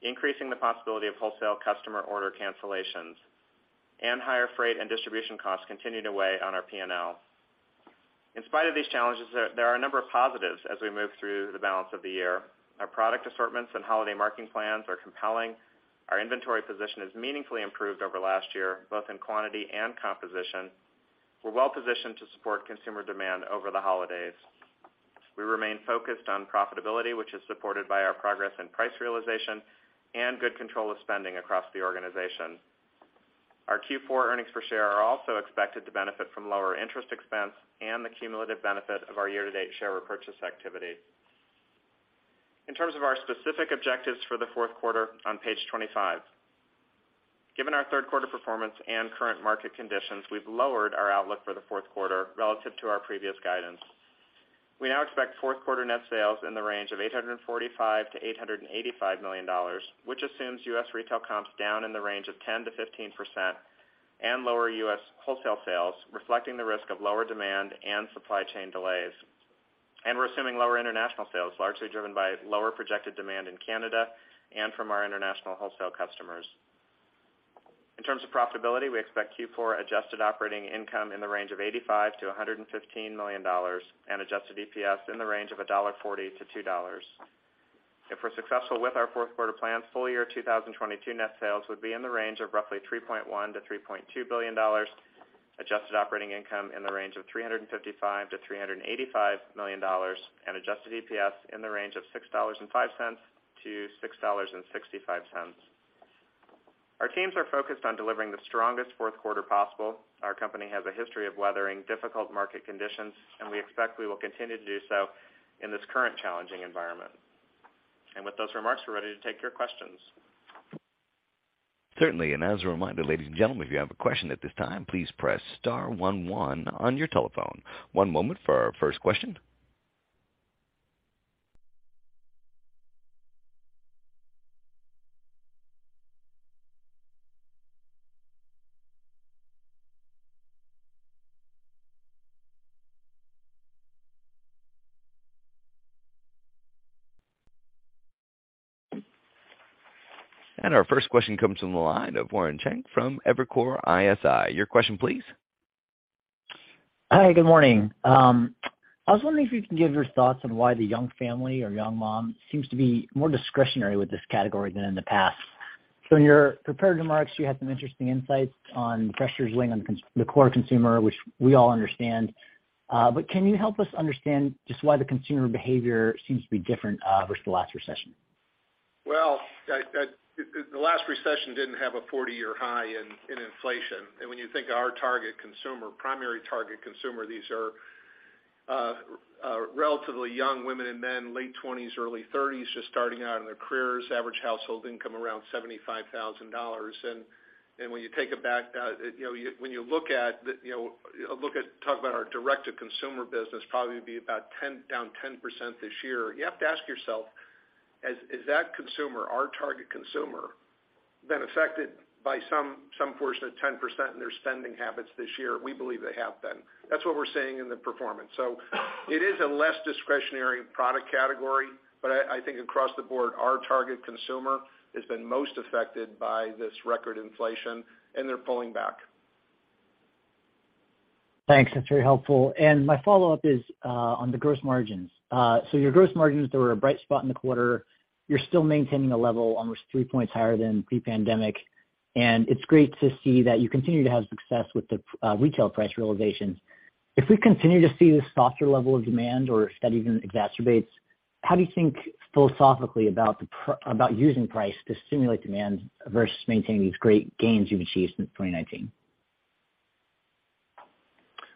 increasing the possibility of wholesale customer order cancellations. Higher freight and distribution costs continue to weigh on our P&L. In spite of these challenges, there are a number of positives as we move through the balance of the year. Our product assortments and holiday marketing plans are compelling. Our inventory position has meaningfully improved over last year, both in quantity and composition. We're well-positioned to support consumer demand over the holidays. We remain focused on profitability, which is supported by our progress in price realization and good control of spending across the organization. Our Q4 earnings per share are also expected to benefit from lower interest expense and the cumulative benefit of our year-to-date share repurchase activity. In terms of our specific objectives for the Q4 on page 25. Given our Q3 performance and current market conditions, we've lowered our outlook for the Q4 relative to our previous guidance. We now expect Q4 net sales in the range of $845 million-$885 million, which assumes U.S. retail comps down in the range of 10%-15% and lower U.S. wholesale sales, reflecting the risk of lower demand and supply chain delays. We're assuming lower international sales, largely driven by lower projected demand in Canada and from our international wholesale customers. In terms of profitability, we expect Q4 adjusted operating income in the range of $85 million-$115 million and adjusted EPS in the range of $1.40-$2. If we're successful with our Q4 plans, full year 2022 net sales would be in the range of roughly $3.1 billion-$3.2 billion, adjusted operating income in the range of $355 million-$385 million, and adjusted EPS in the range of $6.05-$6.65. Our teams are focused on delivering the strongest Q4 possible. Our company has a history of weathering difficult market conditions, and we expect we will continue to do so in this current challenging environment. With those remarks, we're ready to take your questions. Certainly, and as a reminder, ladies and gentlemen, if you have a question at this time, please press star one one on your telephone. One moment for our first question. Our first question comes from the line of Warren Cheng from Evercore ISI. Your question please. Hi, good morning. I was wondering if you can give your thoughts on why the young family or young mom seems to be more discretionary with this category than in the past. In your prepared remarks, you had some interesting insights on pressures weighing on the core consumer, which we all understand. Can you help us understand just why the consumer behavior seems to be different versus the last recession? The last recession didn't have a 40-year high in inflation. When you think our target consumer, primary target consumer, these are relatively young women and men, late twenties, early thirties, just starting out in their careers. Average household income around $75,000. When you take it back, you know, when you look at, you know, talk about our direct to consumer business probably be about down 10% this year. You have to ask yourself, is that consumer, our target consumer, been affected by some portion of 10% in their spending habits this year? We believe they have been. That's what we're seeing in the performance. It is a less discretionary product category, but I think across the board, our target consumer has been most affected by this record inflation and they're pulling back. Thanks. That's very helpful. My follow-up is on the gross margins. Your gross margins, they were a bright spot in the quarter. You're still maintaining a level almost three points higher than pre-pandemic, and it's great to see that you continue to have success with the retail price realization. If we continue to see the softer level of demand or if that even exacerbates, how do you think philosophically about using price to stimulate demand versus maintaining these great gains you've achieved since 2019?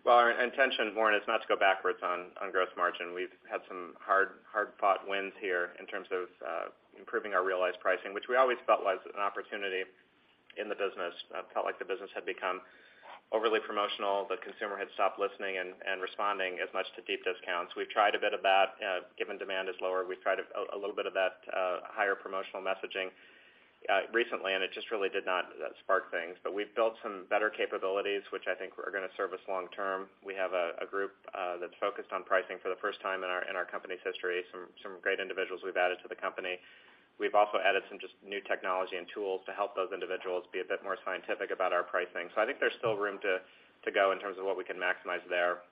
Well, our intention, Warren, is not to go backwards on gross margin. We've had some hard-fought wins here in terms of improving our realized pricing, which we always felt was an opportunity in the business. Felt like the business had become overly promotional. The consumer had stopped listening and responding as much to deep discounts. We've tried a bit of that. Given demand is lower, we've tried a little bit of that higher promotional messaging recently, and it just really did not spark things. We've built some better capabilities, which I think are gonna serve us long term. We have a group that's focused on pricing for the first time in our company's history. Some great individuals we've added to the company. We've also added some just new technology and tools to help those individuals be a bit more scientific about our pricing. I think there's still room to go in terms of what we can maximize there.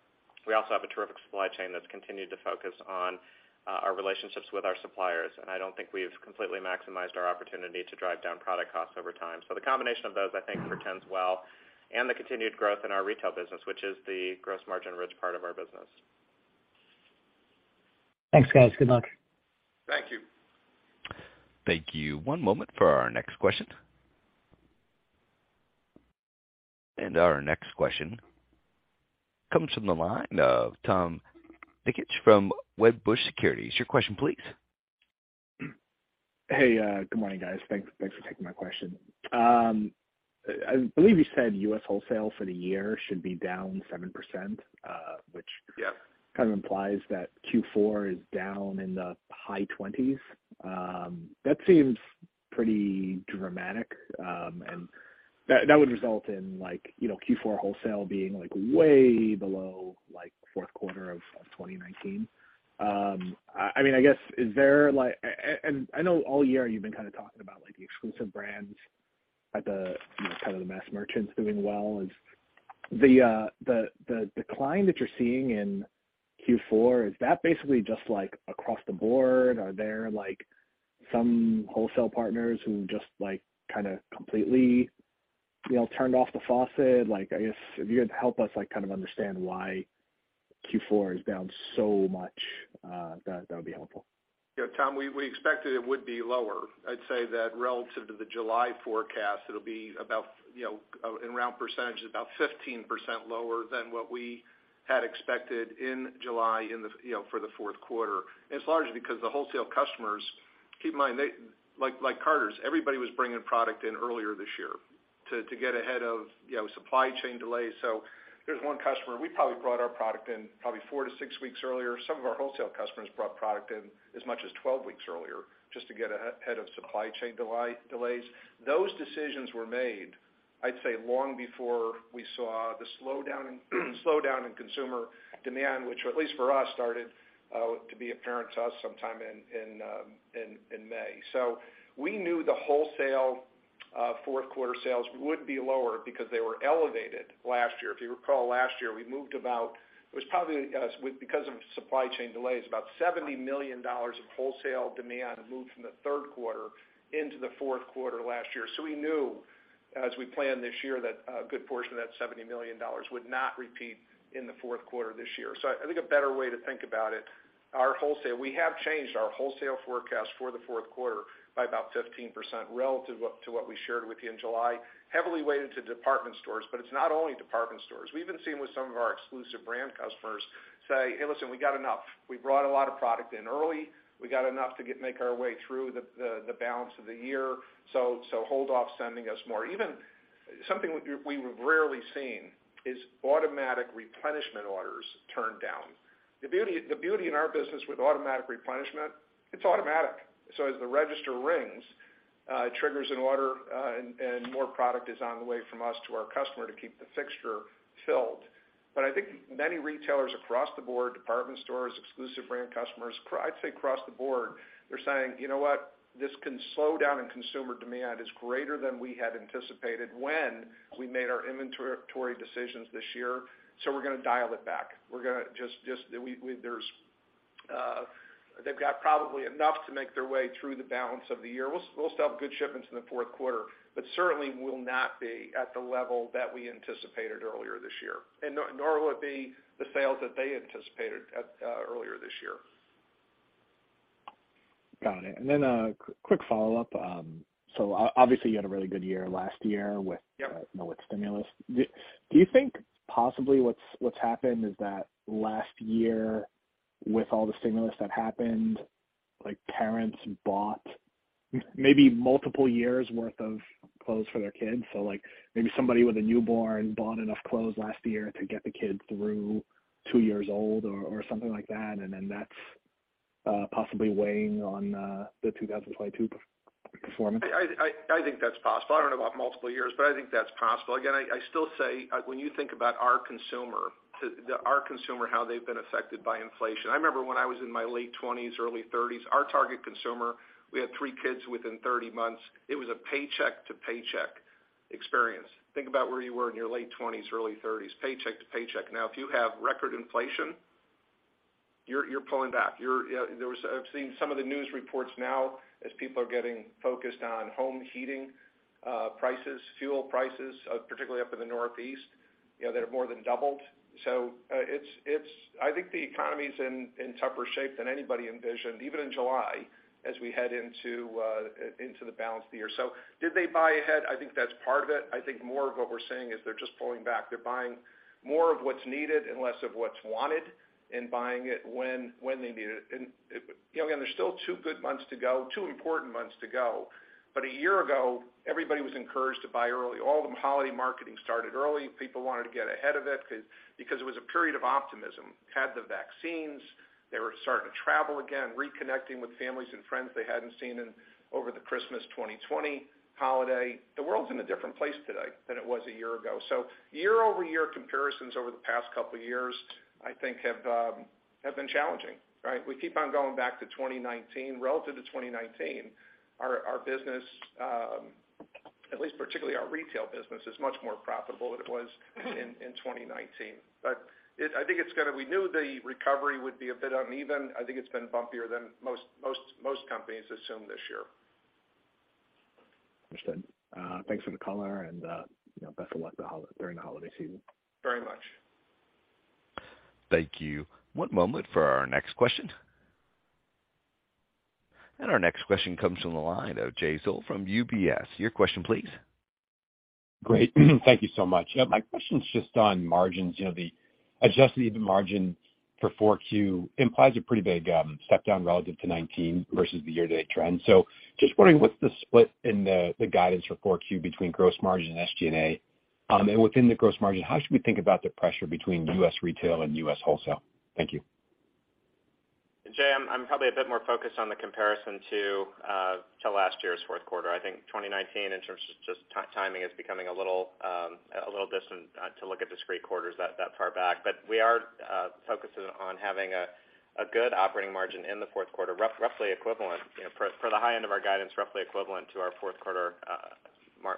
We also have a terrific supply chain that's continued to focus on our relationships with our suppliers, and I don't think we've completely maximized our opportunity to drive down product costs over time. The combination of those, I think, portends well, and the continued growth in our retail business, which is the gross margin risk part of our business. Thanks, guys. Good luck. Thank you. Thank you. One moment for our next question. Our next question comes from the line of Tom Nikic from Wedbush Securities. Your question please. Hey, good morning, guys. Thanks for taking my question. I believe you said U.S. wholesale for the year should be down 7%, which- Yes. kind of implies that Q4 is down in the high 20s%. That seems pretty dramatic, and that would result in like, you know, Q4 wholesale being like way below like Q4 of 2019. I mean, I guess, is there like? I know all year you've been kind of talking about like the exclusive brands at the, you know, kind of the mass merchants doing well. Is the decline that you're seeing in Q4, is that basically just like across the board? Are there like some wholesale partners who just like kinda completely, you know, turned off the faucet? Like, I guess if you could help us like kind of understand why Q4 is down so much, that would be helpful. Yeah, Tom, we expected it would be lower. I'd say that relative to the July forecast, it'll be about, you know, in round percentage, about 15% lower than what we had expected in July in the, you know, for the Q4. It's largely because the wholesale customers, keep in mind they like Carter's, everybody was bringing product in earlier this year to get ahead of, you know, supply chain delays. There's one customer, we probably brought our product in probably four-six weeks earlier. Some of our wholesale customers brought product in as much as 12 weeks earlier just to get ahead of supply chain delays. Those decisions were made, I'd say, long before we saw the slowdown in consumer demand, which at least for us, started to be apparent to us sometime in May. We knew the wholesale Q4 sales would be lower because they were elevated last year. If you recall, last year, because of supply chain delays, about $70 million of wholesale demand moved from the Q3 into the Q4 last year. We knew as we planned this year that a good portion of that $70 million would not repeat in the Q4 this year. I think a better way to think about it, our wholesale, we have changed our wholesale forecast for the Q4 by about 15% relative to what we shared with you in July. Heavily weighted to department stores, but it's not only department stores. We've even seen with some of our exclusive brand customers say, "Hey, listen, we got enough. We brought a lot of product in early. We got enough to make our way through the balance of the year. So hold off sending us more." Even something we've rarely seen is automatic replenishment orders turned down. The beauty in our business with automatic replenishment, it's automatic. As the register rings, triggers an order, and more product is on the way from us to our customer to keep the fixture filled. I think many retailers across the board, department stores, exclusive brand customers. I'd say across the board, they're saying, "You know what? This slowdown in consumer demand is greater than we had anticipated when we made our inventory decisions this year, so we're gonna dial it back. We're gonna just." They've got probably enough to make their way through the balance of the year. We'll still have good shipments in the Q4, but certainly will not be at the level that we anticipated earlier this year, and nor will it be the sales that they anticipated earlier this year. Got it. A quick follow-up. Obviously, you had a really good year last year with Yep. With stimulus. Do you think possibly what's happened is that last year, with all the stimulus that happened, like parents bought maybe multiple years' worth of clothes for their kids? Like maybe somebody with a newborn bought enough clothes last year to get the kid through 2 years old or something like that, and then that's possibly weighing on the 2022 performance? I think that's possible. I don't know about multiple years, but I think that's possible. Again, I still say, when you think about our consumer, how they've been affected by inflation. I remember when I was in my late twenties, early thirties, our target consumer, we had three kids within 30 months. It was a paycheck to paycheck experience. Think about where you were in your late twenties, early thirties, paycheck to paycheck. Now, if you have record inflation, you're pulling back. You're pulling back. I've seen some of the news reports now as people are getting focused on home heating prices, fuel prices, particularly up in the Northeast, you know, that have more than doubled. I think the economy's in tougher shape than anybody envisioned, even in July as we head into the balance of the year. Did they buy ahead? I think that's part of it. I think more of what we're seeing is they're just pulling back. They're buying more of what's needed and less of what's wanted and buying it when they need it. You know, again, there's still two good months to go, two important months to go. A year ago, everybody was encouraged to buy early. All the holiday marketing started early. People wanted to get ahead of it because it was a period of optimism. Had the vaccines, they were starting to travel again, reconnecting with families and friends they hadn't seen over the Christmas 2020 holiday. The world's in a different place today than it was a year ago. quarter-over-quarter comparisons over the past couple years, I think, have been challenging, right? We keep on going back to 2019. Relative to 2019, our business, at least particularly our retail business, is much more profitable than it was in 2019. We knew the recovery would be a bit uneven. I think it's been bumpier than most companies assumed this year. Understood. Thanks for the color and, you know, best of luck during the holiday season. Very much. Thank you. One moment for our next question. Our next question comes from the line of Jay Sole from UBS. Your question please. Great. Thank you so much. My question's just on margins. You know, the adjusted EBITDA margin for 4Q implies a pretty big step down relative to 2019 versus the year-to-date trend. Just wondering, what's the split in the guidance for 4Q between gross margin and SG&A? Within the gross margin, how should we think about the pressure between U.S. retail and U.S. wholesale? Thank you. Jay, I'm probably a bit more focused on the comparison to last year's Q4. I think 2019 in terms of just timing is becoming a little distant to look at discrete quarters that far back. We are focusing on having a good operating margin in the Q4, roughly equivalent, you know, for the high end of our guidance, roughly equivalent to our Q4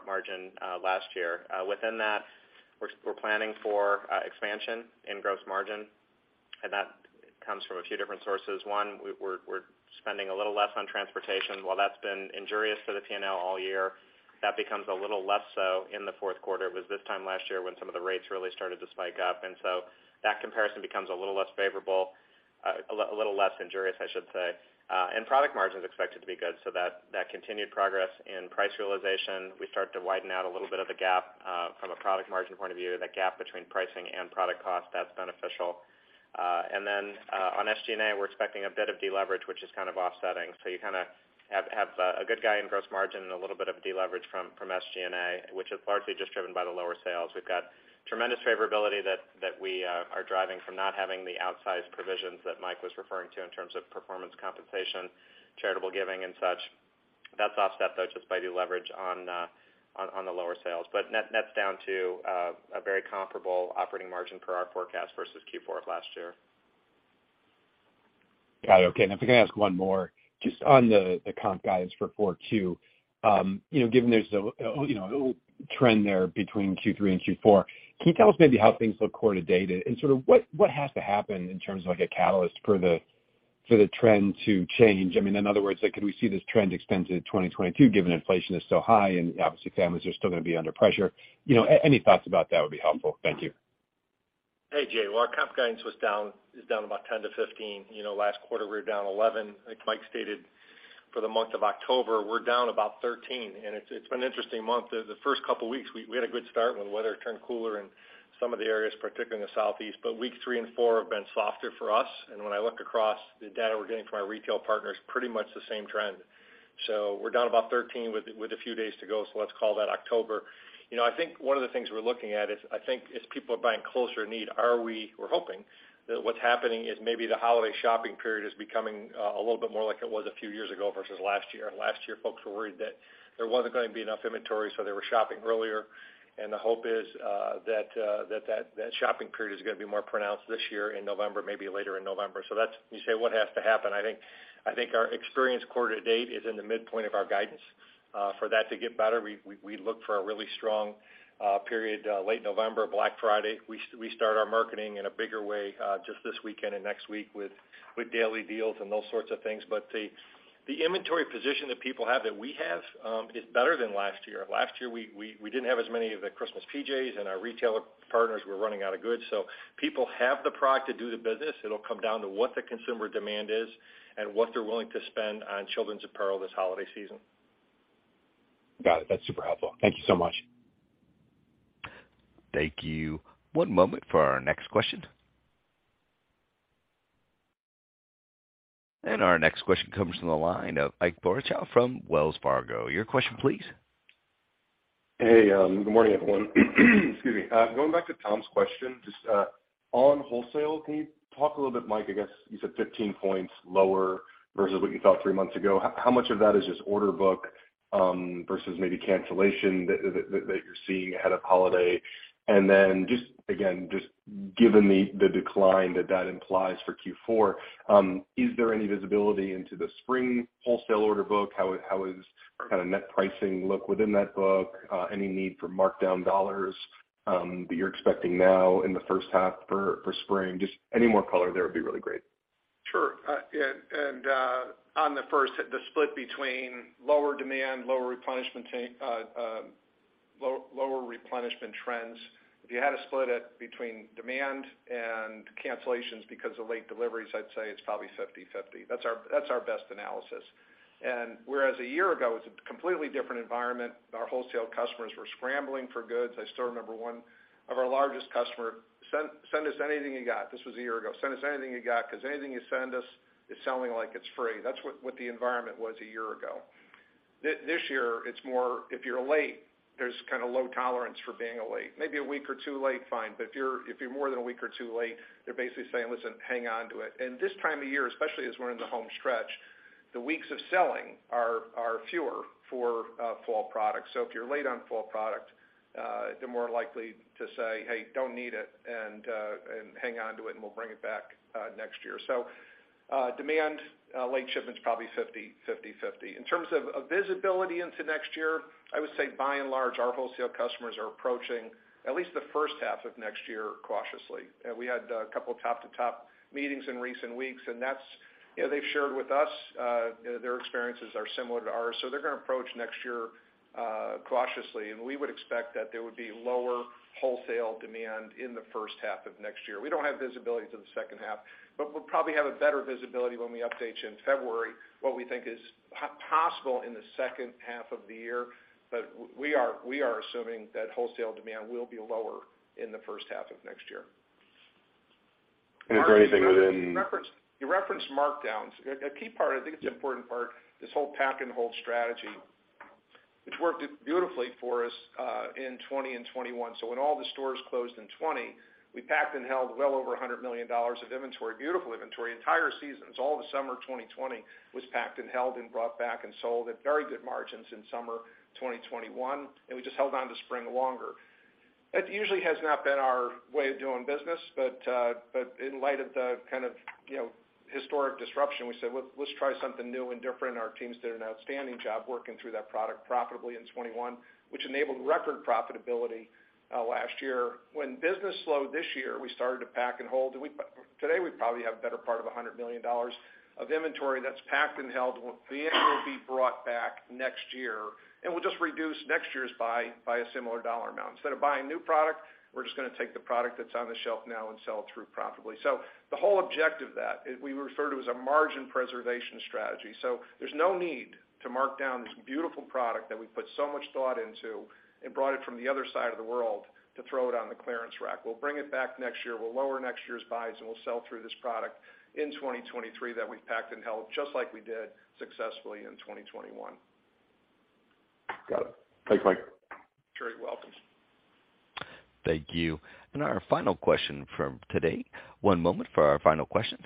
margin last year. Within that, we're planning for expansion in gross margin, and that comes from a few different sources. One, we're spending a little less on transportation. While that's been injurious for the P&L all year, that becomes a little less so in the Q4. It was this time last year when some of the rates really started to spike up. That comparison becomes a little less favorable, a little less injurious, I should say. Product margin's expected to be good, so that continued progress in price realization, we start to widen out a little bit of the gap, from a product margin point of view. That gap between pricing and product cost, that's beneficial. On SG&A, we're expecting a bit of deleverage, which is kind of offsetting. You kinda have a good guy in gross margin and a little bit of deleverage from SG&A, which is largely just driven by the lower sales. We've got tremendous favorability that we are driving from not having the outsized provisions that Mike was referring to in terms of performance compensation, charitable giving and such. That's offset, though, just by deleverage on the lower sales. Net's down to a very comparable operating margin per our forecast versus Q4 of last year. Got it. Okay. If I can ask one more just on the comp guidance for Q4 2022. You know, given there's a little trend there between Q3 and Q4, can you tell us maybe how things look quarter to date and sort of what has to happen in terms of like a catalyst for the trend to change? I mean, in other words, like could we see this trend extend to 2022 given inflation is so high and obviously families are still gonna be under pressure? You know, any thoughts about that would be helpful. Thank you. Hey, Jay. Well, our comp guidance is down about 10%-15%. You know, last quarter we were down 11%. Like Mike stated, for the month of October, we're down about 13%, and it's been an interesting month. The first couple weeks we had a good start when weather turned cooler in some of the areas, particularly in the southeast. But week three and four have been softer for us. And when I look across the data we're getting from our retail partners, pretty much the same trend. We're down about 13% with a few days to go, so let's call that October. You know, I think one of the things we're looking at is, I think as people are buying closer to need, we're hoping that what's happening is maybe the holiday shopping period is becoming a little bit more like it was a few years ago versus last year. Last year, folks were worried that there wasn't gonna be enough inventory, so they were shopping earlier. The hope is that that shopping period is gonna be more pronounced this year in November, maybe later in November. You say what has to happen. I think our Q3 to date is in the midpoint of our guidance. For that to get better, we look for a really strong period late November, Black Friday. We start our marketing in a bigger way just this weekend and next week with daily deals and those sorts of things. The inventory position that people have, that we have, is better than last year. Last year, we didn't have as many of the Christmas PJs and our retailer partners were running out of goods. People have the product to do the business. It'll come down to what the consumer demand is and what they're willing to spend on children's apparel this holiday season. Got it. That's super helpful. Thank you so much. Thank you. One moment for our next question. Our next question comes from the line of Ike Boruchow from Wells Fargo. Your question, please. Hey, good morning, everyone. Excuse me. Going back to Tom's question, just on wholesale, can you talk a little bit, Mike, I guess you said 15 points lower versus what you thought three months ago. How much of that is just order book versus maybe cancellation that you're seeing ahead of holiday? Then just, again, given the decline that that implies for Q4, is there any visibility into the spring wholesale order book? How is kind of net pricing look within that book? Any need for markdown dollars that you're expecting now in the H1 for spring? Just any more color there would be really great. Sure, on the first, the split between lower demand, lower replenishment trends. If you had to split it between demand and cancellations because of late deliveries, I'd say it's probably 50/50. That's our best analysis. Whereas a year ago, it's a completely different environment. Our wholesale customers were scrambling for goods. I still remember one of our largest customer, "Send us anything you got." This was a year ago. "Send us anything you got because anything you send us is selling like it's free." That's what the environment was a year ago. This year, it's more if you're late, there's kind of low tolerance for being late. Maybe a week or two late, fine. If you're more than a week or two late, they're basically saying, "Listen, hang on to it." This time of year, especially as we're in the home stretch, the weeks of selling are fewer for fall products. If you're late on fall product, they're more likely to say, "Hey, don't need it," and, "Hang on to it, and we'll bring it back next year." Demand late shipments probably 50/50. In terms of visibility into next year, I would say by and large, our wholesale customers are approaching at least the H1 of next year cautiously. We had a couple top-to-top meetings in recent weeks, and that's, you know, they've shared with us their experiences are similar to ours. They're gonna approach next year cautiously. We would expect that there would be lower wholesale demand in the H1 of next year. We don't have visibility to the H2, but we'll probably have a better visibility when we update you in February, what we think is possible in the H2 of the year. We are assuming that wholesale demand will be lower in the H1 of next year. Is there anything within? You referenced markdowns. A key part, I think it's an important part, this whole pack and hold strategy, which worked beautifully for us in 2020 and 2021. When all the stores closed in 2020, we packed and held well over $100 million of inventory, beautiful inventory. Entire seasons, all the summer 2020 was packed and held and brought back and sold at very good margins in summer 2021. We just held on to spring longer. That usually has not been our way of doing business. In light of the kind of, you know, historic disruption, we said, "Well, let's try something new and different." Our teams did an outstanding job working through that product profitably in 2021, which enabled record profitability last year. When business slowed this year, we started to pack and hold. Today, we probably have a better part of $100 million of inventory that's packed and held. It will be brought back next year, and we'll just reduce next year's buy by a similar dollar amount. Instead of buying new product, we're just gonna take the product that's on the shelf now and sell it through profitably. The whole objective of that is we refer to as a margin preservation strategy. There's no need to mark down this beautiful product that we put so much thought into and brought it from the other side of the world to throw it on the clearance rack. We'll bring it back next year. We'll lower next year's buys, and we'll sell through this product in 2023 that we've packed and held just like we did successfully in 2021. Got it. Thanks, Mike. Sure. You're welcome. Thank you. Our final question from today. One moment for our final question.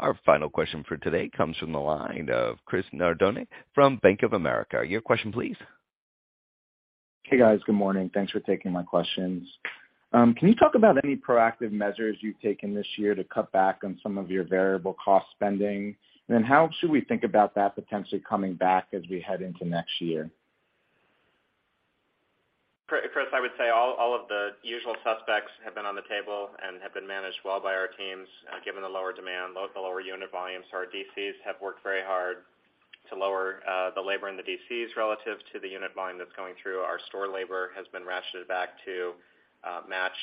Our final question for today comes from the line of Christopher Nardone from Bank of America. Your question, please. Hey, guys. Good morning. Thanks for taking my questions. Can you talk about any proactive measures you've taken this year to cut back on some of your variable cost spending? How should we think about that potentially coming back as we head into next year? Chris, I would say all of the usual suspects have been on the table and have been managed well by our teams, given the lower demand, the lower unit volumes. Our DCs have worked very hard to lower the labor in the DCs relative to the unit volume that's going through. Our store labor has been ratcheted back to match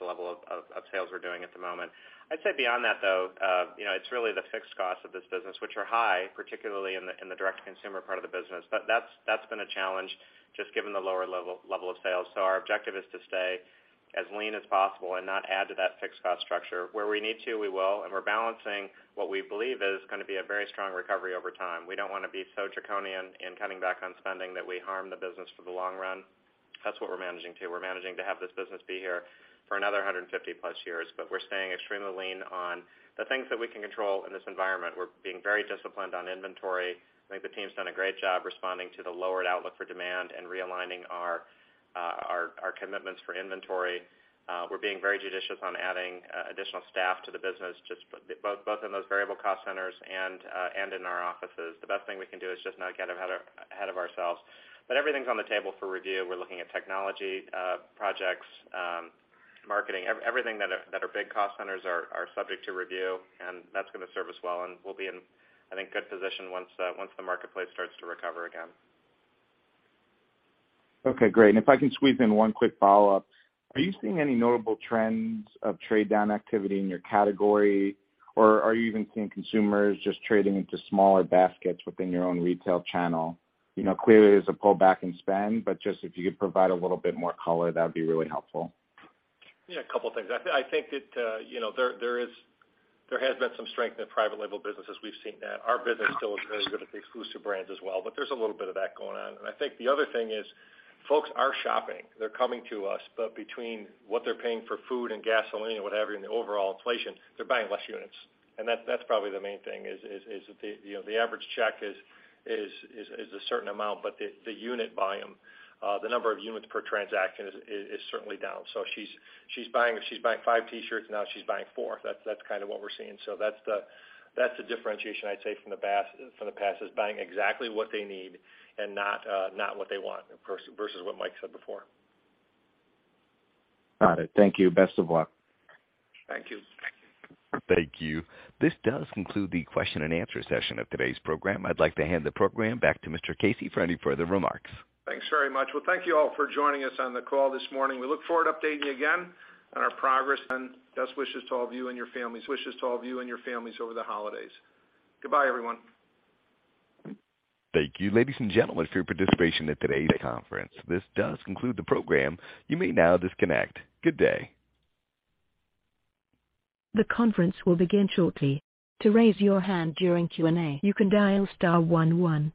the level of sales we're doing at the moment. I'd say beyond that, though, you know, it's really the fixed costs of this business, which are high, particularly in the direct consumer part of the business. That's been a challenge just given the lower level of sales. Our objective is to stay as lean as possible and not add to that fixed cost structure. Where we need to, we will, and we're balancing what we believe is gonna be a very strong recovery over time. We don't wanna be so draconian in cutting back on spending that we harm the business for the long run. That's what we're managing to. We're managing to have this business be here for another 150+ years, but we're staying extremely lean on the things that we can control in this environment. We're being very disciplined on inventory. I think the team's done a great job responding to the lowered outlook for demand and realigning our commitments for inventory. We're being very judicious on adding additional staff to the business just both in those variable cost centers and in our offices. The best thing we can do is just not get ahead of ourselves. Everything's on the table for review. We're looking at technology, projects, marketing. Everything that are big cost centers are subject to review, and that's gonna serve us well, and we'll be in, I think, good position once the marketplace starts to recover again. Okay, great. If I can squeeze in one quick follow-up. Are you seeing any notable trends of trade down activity in your category? Or are you even seeing consumers just trading into smaller baskets within your own retail channel? You know, clearly, there's a pullback in spend, but just if you could provide a little bit more color, that would be really helpful. Yeah, a couple things. I think that, you know, there has been some strength in the private label businesses. We've seen that. Our business still is very good at the exclusive brands as well, but there's a little bit of that going on. I think the other thing is folks are shopping. They're coming to us. Between what they're paying for food and gasoline or whatever in the overall inflation, they're buying less units. That's probably the main thing is, you know, the average check is a certain amount, but the unit volume, the number of units per transaction is certainly down. She's buying five T-shirts, now she's buying four. That's kind of what we're seeing. That's the differentiation I'd say from the past, is buying exactly what they need and not what they want, versus what Mike said before. Got it. Thank you. Best of luck. Thank you. Thank you. Thank you. This does conclude the question and answer session of today's program. I'd like to hand the program back to Mr. Casey for any further remarks. Thanks very much. Well, thank you all for joining us on the call this morning. We look forward to updating you again on our progress, and best wishes to all of you and your families over the holidays. Goodbye, everyone. Thank you, ladies and gentlemen, for your participation in today's conference. This does conclude the program. You may now disconnect. Good day. The conference will begin shortly. To raise your hand during Q&A, you can dial star one one.